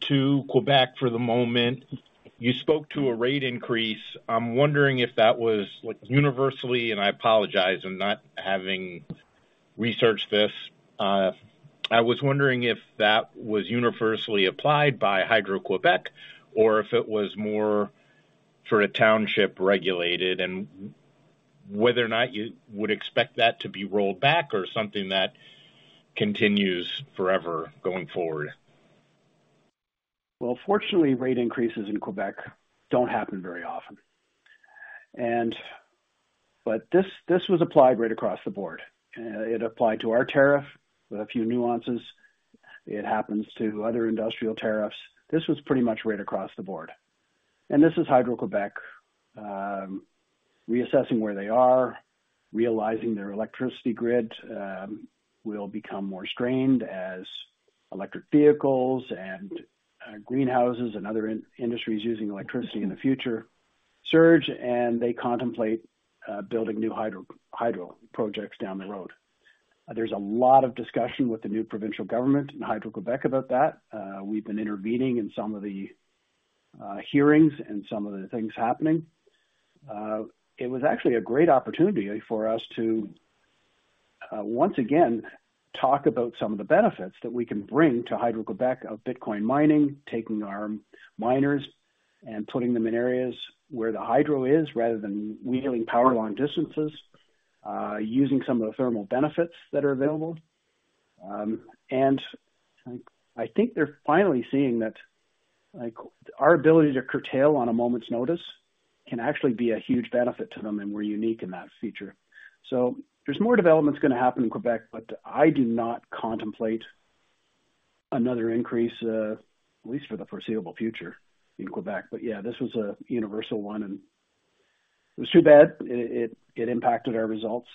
to Quebec for the moment. You spoke to a rate increase. I'm wondering if that was like universally, and I apologize in not having researched this. I was wondering if that was universally applied by Hydro-Quebec or if it was more sort of township regulated, and w- whether or not you would expect that to be rolled back or something that continues forever going forward? Well, fortunately, rate increases in Quebec don't happen very often. This, this was applied right across the board. It applied to our tariff with a few nuances. It happens to other industrial tariffs. This was pretty much right across the board. This is Hydro-Quebec, reassessing where they are, realizing their electricity grid, will become more strained as electric vehicles and greenhouses and other industries using electricity in the future surge, and they contemplate building new hydro, hydro projects down the road. There's a lot of discussion with the new provincial government and Hydro-Quebec about that. We've been intervening in some of the hearings and some of the things happening. It was actually a great opportunity for us to once again, talk about some of the benefits that we can bring to Hydro-Quebec of Bitcoin mining, taking our miners and putting them in areas where the hydro is, rather than wheeling power long distances, using some of the thermal benefits that are available. I, I think they're finally seeing that, like, our ability to curtail on a moment's notice can actually be a huge benefit to them, and we're unique in that feature. There's more developments gonna happen in Quebec, but I do not contemplate another increase, at least for the foreseeable future in Quebec. Yeah, this was a universal one, and it was too bad. It, it impacted our results,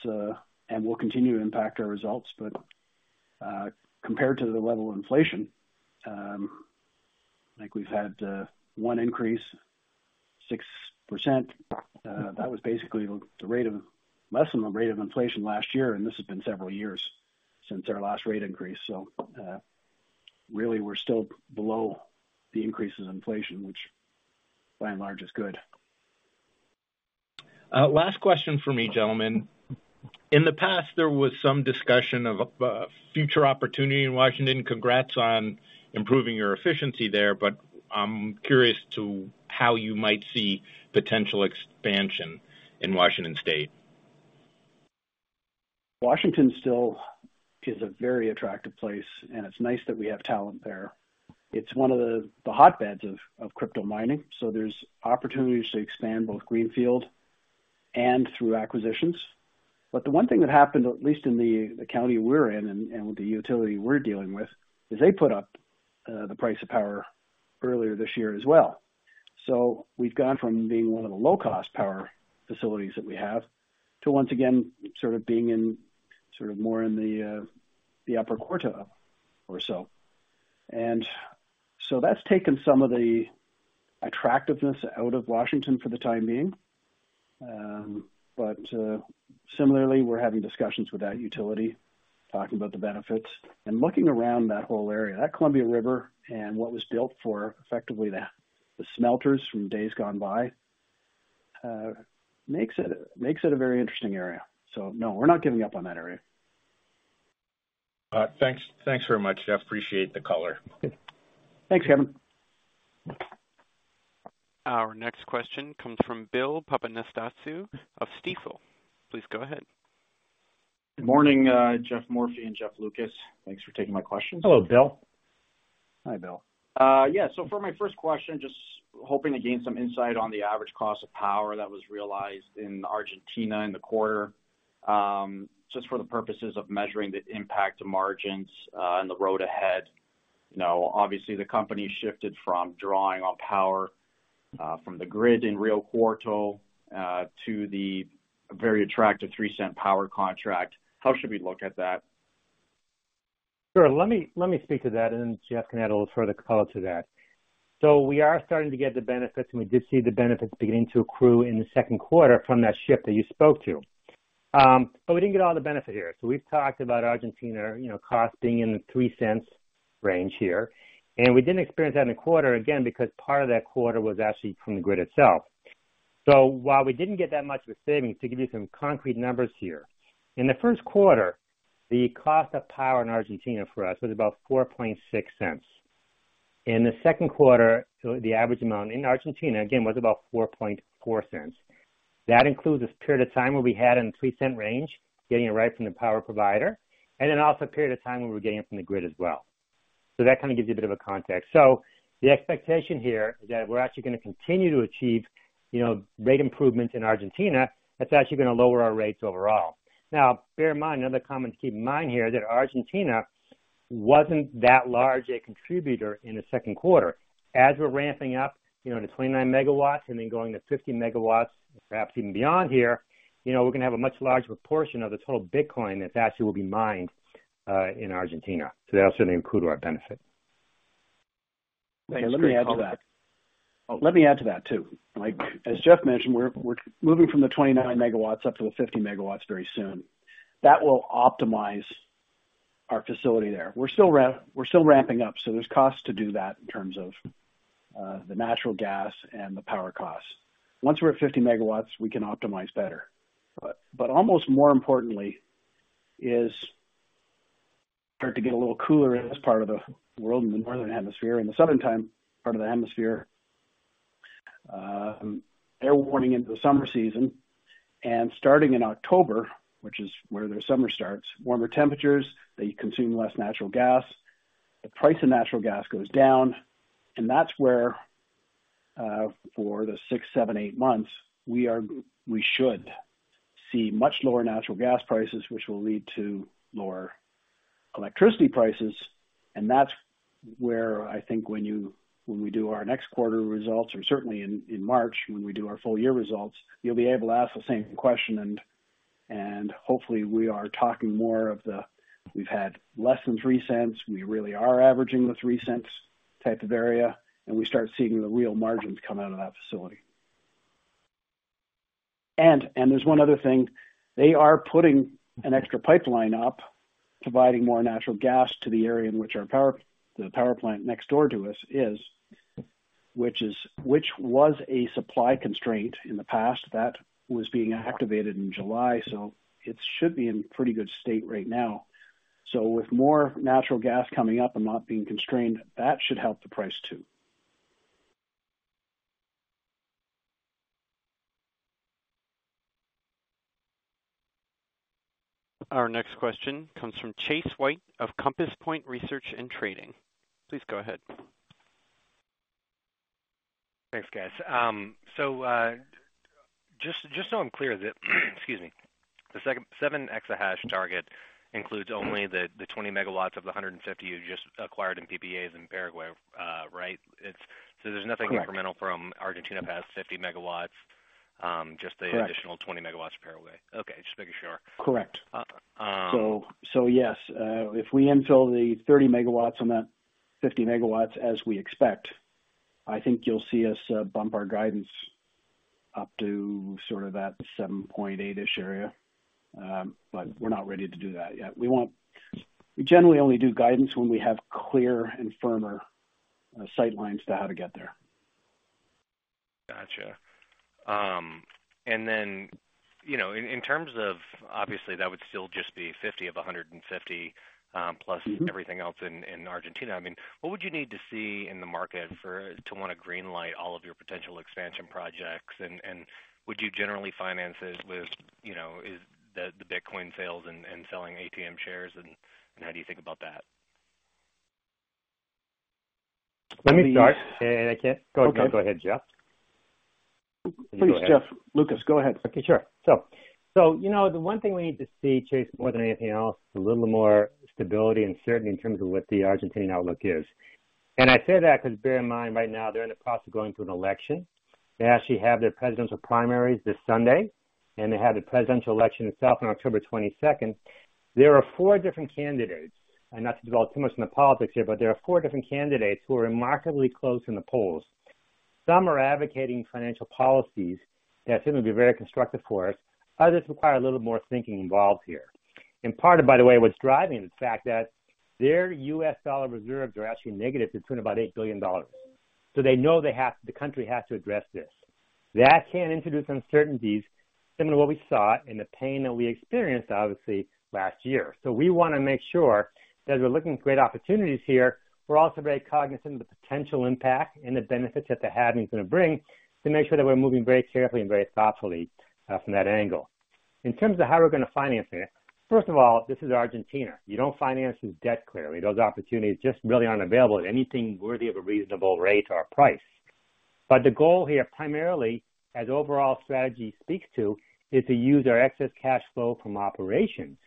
and will continue to impact our results. Compared to the level of inflation, I think we've had 1 increase, 6%. That was basically less than the rate of inflation last year, and this has been several years since our last rate increase. Really, we're still below the increase in inflation, which by and large is good. Last question for me, gentlemen. In the past, there was some discussion of future opportunity in Washington. Congrats on improving your efficiency there. I'm curious to how you might see potential expansion in Washington State. Washington still is a very attractive place, and it's nice that we have talent there. It's one of the hotbeds of crypto mining. There's opportunities to expand both greenfield and through acquisitions. The one thing that happened, at least in the county we're in and, and with the utility we're dealing with, is they put up the price of power earlier this year as well. We've gone from being one of the low-cost power facilities that we have to, once again, sort of being in sort of more in the upper quartile or so. That's taken some of the attractiveness out of Washington for the time being. Similarly, we're having discussions with that utility, talking about the benefits and looking around that whole area, that Columbia River and what was built for effectively the, the smelters from days gone by, makes it, makes it a very interesting area. No, we're not giving up on that area. Thanks. Thanks very much, Geoff. Appreciate the color. Good. Thanks, Kevin. Our next question comes from Bill Papanastasiou of Stifel. Please go ahead. Good morning, Geoff Morphy and Jeff Lucas. Thanks for taking my questions. Hello, Bill. Hi, Bill. Yeah, so for my first question, just hoping to gain some insight on the average cost of power that was realized in Argentina in the quarter, just for the purposes of measuring the impact to margins, and the road ahead. You know, obviously, the company shifted from drawing on power from the grid in Rio Cuarto to the very attractive $0.03 power contract. How should we look at that? Sure. Let me, let me speak to that, and then Geoff can add a little further color to that. We are starting to get the benefits, and we did see the benefits beginning to accrue in the second quarter from that shift that you spoke to. But we didn't get all the benefit here. We've talked about Argentina, you know, cost being in the $0.03 range here, and we didn't experience that in the quarter again, because part of that quarter was actually from the grid itself. While we didn't get that much of a savings, to give you some concrete numbers here, in the first quarter, the cost of power in Argentina for us was about $0.046. In the second quarter, the average amount in Argentina, again, was about $0.044. That includes a period of time where we had in the $0.03 range, getting it right from the power provider, and then also a period of time where we were getting it from the grid as well. That kind of gives you a bit of a context. The expectation here is that we're actually gonna continue to achieve, you know, great improvements in Argentina. That's actually gonna lower our rates overall. Now, bear in mind, another comment to keep in mind here, that Argentina wasn't that large a contributor in the second quarter. As we're ramping up, you know, to 29 MW and then going to 50 MW, perhaps even beyond here, you know, we're gonna have a much larger portion of the total Bitcoin that actually will be mined in Argentina. That's also going to accrue to our benefit. Thanks- Let me add to that. Let me add to that, too. Like, as Jeff mentioned, we're, we're moving from the 29 MW up to the 50 MW very soon. That will optimize our facility there. We're still ramping up, so there's costs to do that in terms of the natural gas and the power costs. Once we're at 50 MW, we can optimize better. Almost more importantly, is start to get a little cooler in this part of the world, in the Northern Hemisphere. In the southern time part of the atmosphere, they're warning into the summer season, starting in October, which is where their summer starts, warmer temperatures, they consume less natural gas, the price of natural gas goes down, that's where, for the 6, 7, 8 months, we are-- we should see much lower natural gas prices, which will lead to lower electricity prices. That's where I think when you-- when we do our next quarter results, or certainly in, in March, when we do our full year results, you'll be able to ask the same question, hopefully, we are talking more of the, we've had less than 3 cents. We really are averaging the 3 cents type of area, we start seeing the real margins come out of that facility. There's one other thing. They are putting an extra pipeline up, providing more natural gas to the area in which our power, the power plant next door to us is, which is, which was a supply constraint in the past. That was being activated in July, so it should be in pretty good state right now. With more natural gas coming up and not being constrained, that should help the price, too. Our next question comes from Chase White of Compass Point Research and Trading. Please go ahead. Thanks, guys. Just, just so I'm clear that, excuse me, the second 7 exahash target includes only the, the 20 MW of the 150 you just acquired in PPAs in Paraguay, right? It's... there's nothing- Correct.... incremental from Argentina past 50 MW. Correct. Additional 20 MW Paraguay. Okay, just making sure. Correct. Um- Yes, if we infill the 30 MW on that 50 MW as we expect, I think you'll see us, bump our guidance up to sort of that 7.8-ish area. We're not ready to do that yet. We won't. We generally only do guidance when we have clear and firmer, sight lines to how to get there. Gotcha. then, you know, in, in terms of obviously, that would still just be 50 of 150+ Mm-hmm. Everything else in, in Argentina. I mean, what would you need to see in the market for to want to green light all of your potential expansion projects? And would you generally finance it with, you know, is the, the Bitcoin sales and, and selling ATM shares, and, and how do you think about that? Let me start, and I can't... Okay. Go ahead, Geoff. Please, Jeff Lucas, go ahead. Okay, sure. you know, the one thing we need to see, Chase, more than anything else, a little more stability and certainty in terms of what the Argentine outlook is. I say that because bear in mind right now, they're in the process of going through an election. They actually have their presidential primaries this Sunday, and they have the presidential election itself on October 22nd. There are four different candidates, not to develop too much in the politics here, there are four different candidates who are remarkably close in the polls. Some are advocating financial policies that seem to be very constructive for us. Others require a little more thinking involved here. In part, by the way, what's driving the fact that their U.S. dollar reserves are actually negative to the tune of about $8 billion. They know they have the country has to address this. That can introduce uncertainties, similar to what we saw and the pain that we experienced, obviously, last year. We want to make sure that as we're looking at great opportunities here, we're also very cognizant of the potential impact and the benefits that the halving is going to bring, to make sure that we're moving very carefully and very thoughtfully from that angle. In terms of how we're going to finance it, first of all, this is Argentina. You don't finance through debt, clearly. Those opportunities just really aren't available at anything worthy of a reasonable rate or price. The goal here, primarily, as overall strategy speaks to, is to use our excess cash flow from operations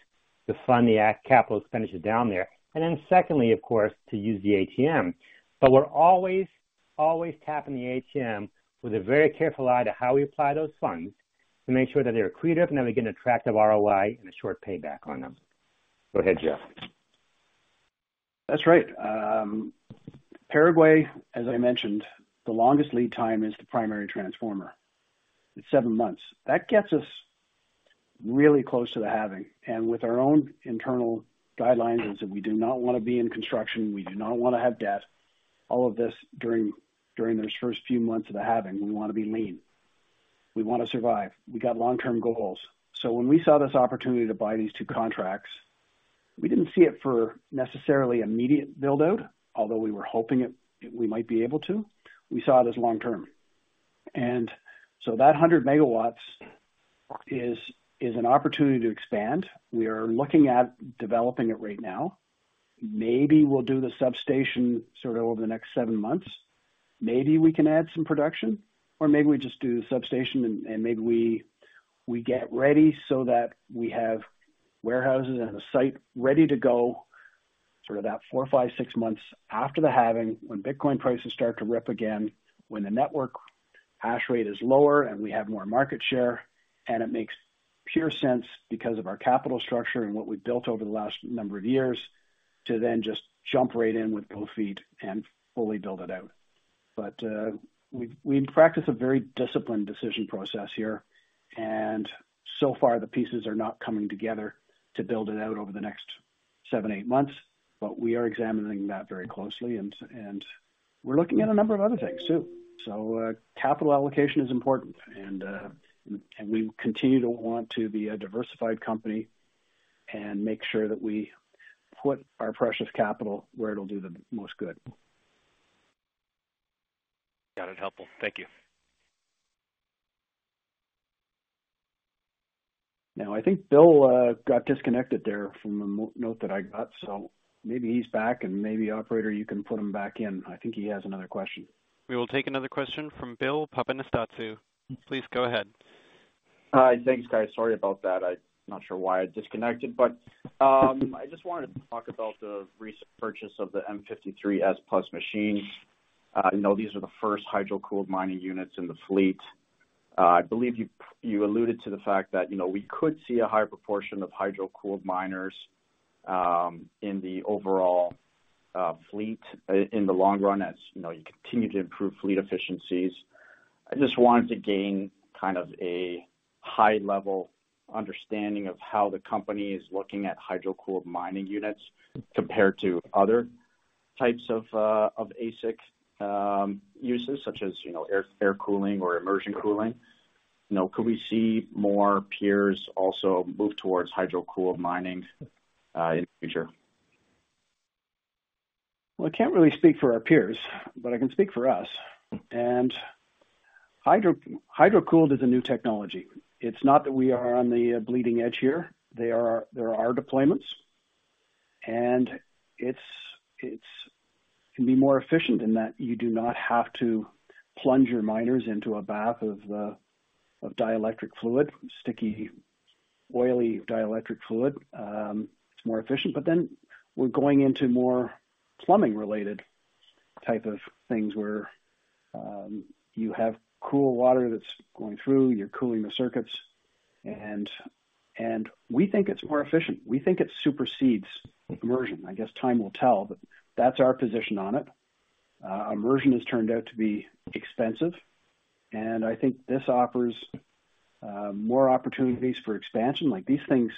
to fund the capital expenditures down there, and then secondly, of course, to use the ATM. We're always, always tapping the ATM with a very careful eye to how we apply those funds to make sure that they're accretive, and that we get an attractive ROI and a short payback on them. Go ahead, Geoff. That's right. Paraguay, as I mentioned, the longest lead time is the primary transformer. It's seven months. That gets us really close to the halving, and with our own internal guidelines, is that we do not want to be in construction, we do not want to have debt. All of this during, during those first few months of the halving, we want to be lean. We want to survive. We got long-term goals. When we saw this opportunity to buy these two contracts, we didn't see it for necessarily immediate build-out, although we were hoping it, we might be able to. We saw it as long-term. That 100 MW is, is an opportunity to expand. We are looking at developing it right now. Maybe we'll do the substation sort of over the next seven months. We can add some production, or maybe we just do the substation, and maybe we get ready so that we have warehouses and a site ready to go sort of about four, five, six months after the halving, when Bitcoin prices start to rip again, when the network hash rate is lower and we have more market share, and it makes pure sense because of our capital structure and what we've built over the last number of years, to then just jump right in with both feet and fully build it out. We practice a very disciplined decision process here, and so far, the pieces are not coming together to build it out over the next seven, eight months, but we are examining that very closely, and we're looking at a number of other things, too. Capital allocation is important, and we continue to want to be a diversified company and make sure that we put our precious capital where it'll do the most good. Got it. Helpful. Thank you. I think Bill, got disconnected there from the note that I got, so maybe he's back, and maybe operator, you can put him back in. I think he has another question. We will take another question from Bill Papanastasiou. Please go ahead. Hi. Thanks, guys. Sorry about that. I'm not sure why I disconnected, but I just wanted to talk about the recent purchase of the M53S+ machine. I know these are the first hydro-cooled mining units in the fleet. I believe you, you alluded to the fact that, you know, we could see a higher proportion of hydro-cooled miners in the overall fleet in the long run, as, you know, you continue to improve fleet efficiencies. I just wanted to gain kind of a high-level understanding of how the company is looking at hydro-cooled mining units compared to other types of ASIC uses, such as, you know, air, air cooling or immersion cooling. You know, could we see more peers also move towards hydro-cooled mining in the future? Well, I can't really speak for our peers, but I can speak for us. Hydro, hydro cooled is a new technology. It's not that we are on the bleeding edge here. There are, there are deployments, and it's, it's can be more efficient in that you do not have to plunge your miners into a bath of dielectric fluid, sticky, oily, dielectric fluid. It's more efficient. Then we're going into more plumbing-related type of things where you have cool water that's going through, you're cooling the circuits, and, and we think it's more efficient. We think it supersedes immersion. I guess time will tell, but that's our position on it. Immersion has turned out to be expensive, I think this offers more opportunities for expansion, like these things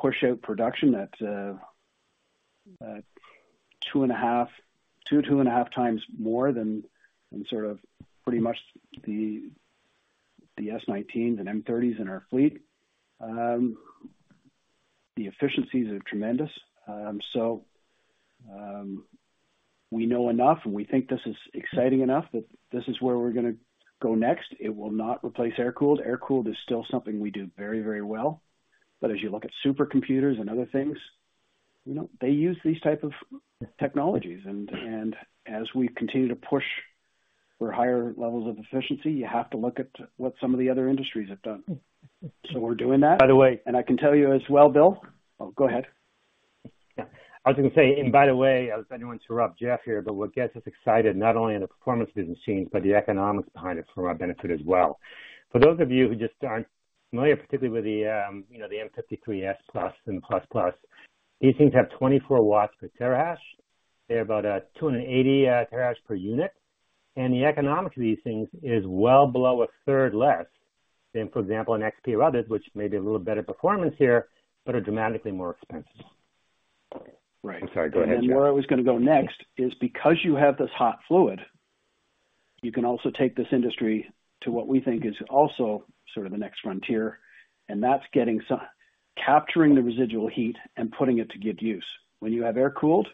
push out production at two and a half, 2, 2.5x more than sort of pretty much the S19s and M30S in our fleet. The efficiencies are tremendous. We know enough, and we think this is exciting enough that this is where we're gonna go next. It will not replace air-cooled. Air-cooled is still something we do very, very well. As you look at supercomputers and other things, you know, they use these type of technologies, and as we continue to push for higher levels of efficiency, you have to look at what some of the other industries have done. We're doing that. By the way- I can tell you as well, Bill. Oh, go ahead. Yeah. I was gonna say, and by the way, I don't want to interrupt Geoff here, but what gets us excited, not only in the performance business scenes, but the economics behind it for our benefit as well. For those of you who just aren't familiar, particularly with the, you know, the M53S+ and Plus Plus, these things have 24 watts per terahash. They're about 280 terahash per unit, and the economics of these things is well below a third less than, for example, an XP Hydro, which may be a little better performance here, but are dramatically more expensive. Right. I'm sorry, go ahead, Geoff. Where I was gonna go next is because you have this hot fluid, you can also take this industry to what we think is also sort of the next frontier, and that's getting capturing the residual heat and putting it to good use. When you have air-cooled,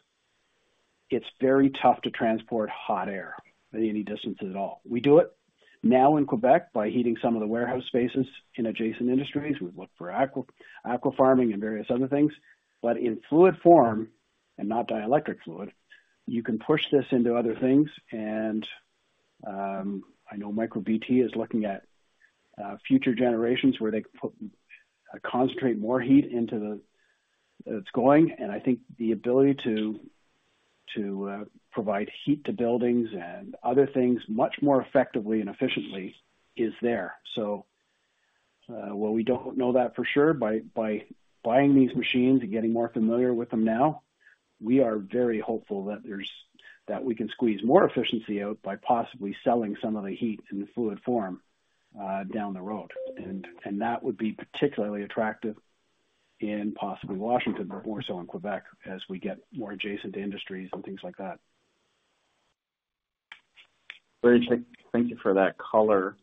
it's very tough to transport hot air at any distance at all. We do it now in Quebec by heating some of the warehouse spaces in adjacent industries. We look for aqua farming and various other things, but in fluid form, and not dielectric fluid, you can push this into other things. I know MicroBT is looking at future generations where they can put concentrate more heat into the, that's going. I think the ability to provide heat to buildings and other things much more effectively and efficiently is there. While we don't know that for sure, by, by buying these machines and getting more familiar with them now, we are very hopeful that we can squeeze more efficiency out by possibly selling some of the heat in fluid form, down the road, and, and that would be particularly attractive in possibly Washington, but more so in Quebec, as we get more adjacent to industries and things like that. Great, thank you for that color.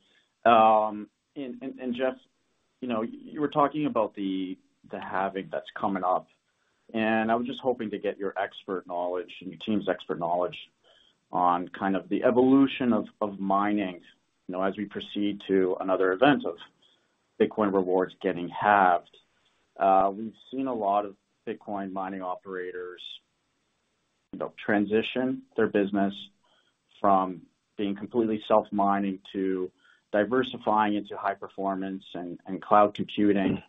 Geoff, you know, you were talking about the halving that's coming up, and I was just hoping to get your expert knowledge and your team's expert knowledge on kind of the evolution of mining, you know, as we proceed to another event of Bitcoin rewards getting halved. We've seen a lot of Bitcoin mining operators, you know, transition their business from being completely self-mining to diversifying into high performance and cloud computing.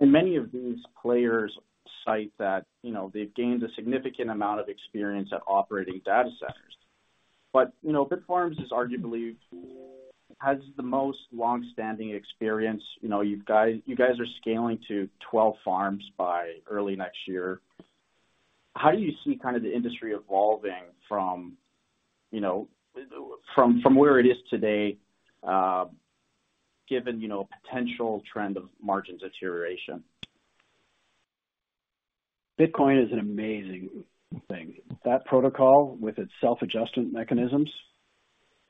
Many of these players cite that, you know, they've gained a significant amount of experience at operating data centers. Bitfarms is arguably has the most long-standing experience. You know, you guys, you guys are scaling to 12 farms by early next year. How do you see kind of the industry evolving from, you know, from, from where it is today, given, you know, a potential trend of margins deterioration? Bitcoin is an amazing thing. That protocol, with its self-adjustment mechanisms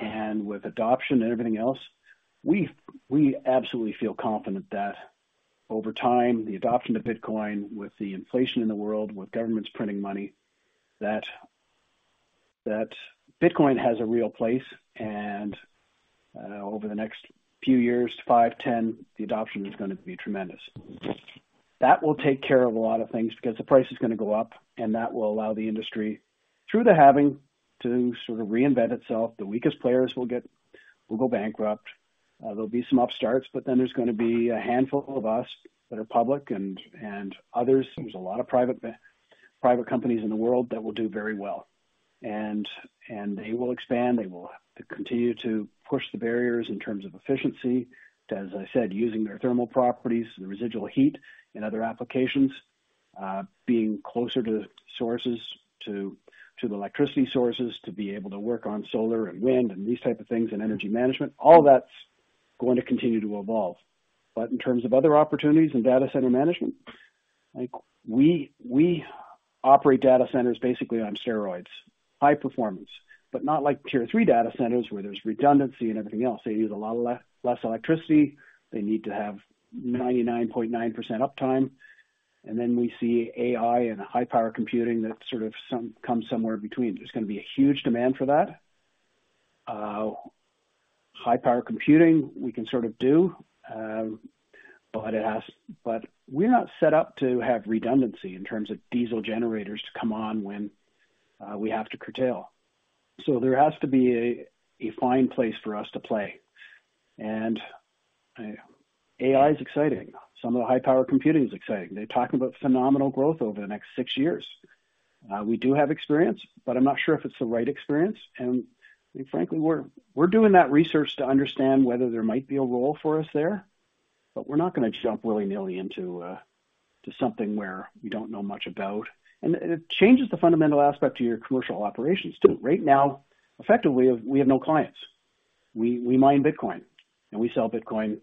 and with adoption and everything else, we, we absolutely feel confident that over time, the adoption of Bitcoin with the inflation in the world, with governments printing money, that, that Bitcoin has a real place, over the next few years, five, 10, the adoption is gonna be tremendous. That will take care of a lot of things because the price is gonna go up, and that will allow the industry, through the halving, to sort of reinvent itself. The weakest players will go bankrupt. There'll be some upstarts, then there's gonna be a handful of us that are public and others. There's a lot of private companies in the world that will do very well, and they will expand. They will continue to push the barriers in terms of efficiency, as I said, using their thermal properties, the residual heat in other applications, being closer to the sources, to, to the electricity sources, to be able to work on solar and wind and these type of things, and energy management. All that's going to continue to evolve. In terms of other opportunities in data center management, like we, we operate data centers basically on steroids. high performance, but not like Tier 3 data centers where there's redundancy and everything else. They use a lot of less electricity. They need to have 99.9% uptime, and then we see AI and high power computing that sort of comes somewhere in between. There's gonna be a huge demand for that. High power computing, we can sort of do, but it has-- but we're not set up to have redundancy in terms of diesel generators to come on when, we have to curtail. There has to be a, a fine place for us to play. AI is exciting. Some of the high power computing is exciting. They talk about phenomenal growth over the next six years. We do have experience, but I'm not sure if it's the right experience, and frankly, we're, we're doing that research to understand whether there might be a role for us there. We're not gonna jump willy-nilly into, to something where we don't know much about. It changes the fundamental aspect to your commercial operations, too. Right now, effectively, we, we have no clients. We mine Bitcoin, and we sell Bitcoin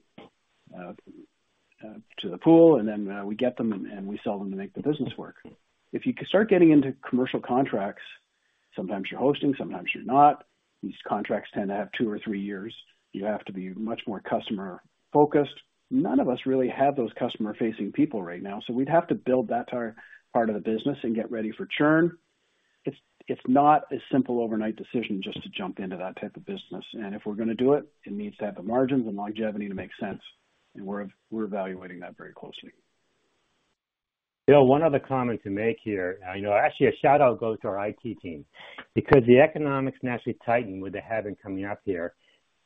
to the pool, and then we get them, and we sell them to make the business work. If you start getting into commercial contracts, sometimes you're hosting, sometimes you're not. These contracts tend to have two or three years. You have to be much more customer-focused. None of us really have those customer-facing people right now, so we'd have to build that part of the business and get ready for churn. It's not a simple overnight decision just to jump into that type of business, and if we're gonna do it, it needs to have the margins and longevity to make sense, and we're evaluating that very closely. Bill, one other comment to make here, you know, actually, a shout-out goes to our I.T. team because the economics naturally tighten with the halving coming up here.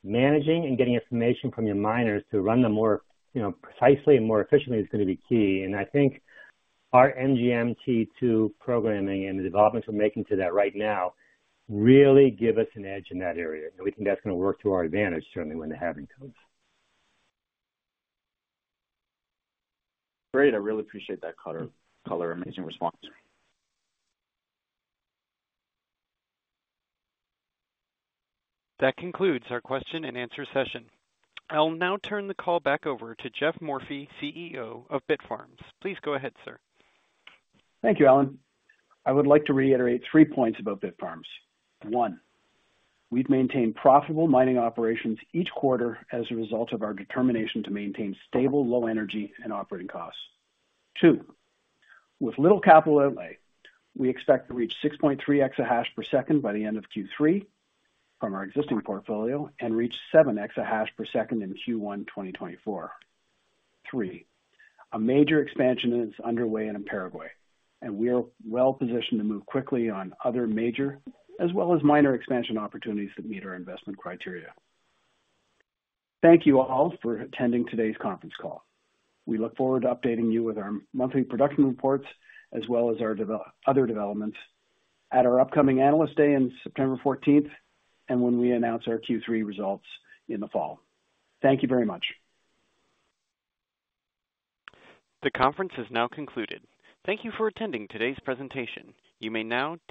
Managing and getting information from your miners to run them more, you know, precisely and more efficiently is gonna be key, and I think our MGMT 2 programming and the developments we're making to that right now really give us an edge in that area, and we think that's gonna work to our advantage, certainly when the halving comes. Great, I really appreciate that color, color, amazing response. That concludes our question-and-answer session. I'll now turn the call back over to Geoff Morphy, CEO of Bitfarms. Please go ahead, sir. Thank you, Alan. I would like to reiterate three points about Bitfarms. One, we've maintained profitable mining operations each quarter as a result of our determination to maintain stable, low energy and operating costs. Two, with little capital outlay, we expect to reach 6.3 exahash per second by the end of Q3 from our existing portfolio and reach 7 exahash per second in Q1 2024. Three, a major expansion is underway in Paraguay, and we are well positioned to move quickly on other major, as well as minor expansion opportunities that meet our investment criteria. Thank you all for attending today's conference call. We look forward to updating you with our monthly production reports, as well as our other developments at our upcoming Analyst Day in September 14th and when we announce our Q3 results in the fall. Thank you very much. The conference is now concluded. Thank you for attending today's presentation. You may now disconnect.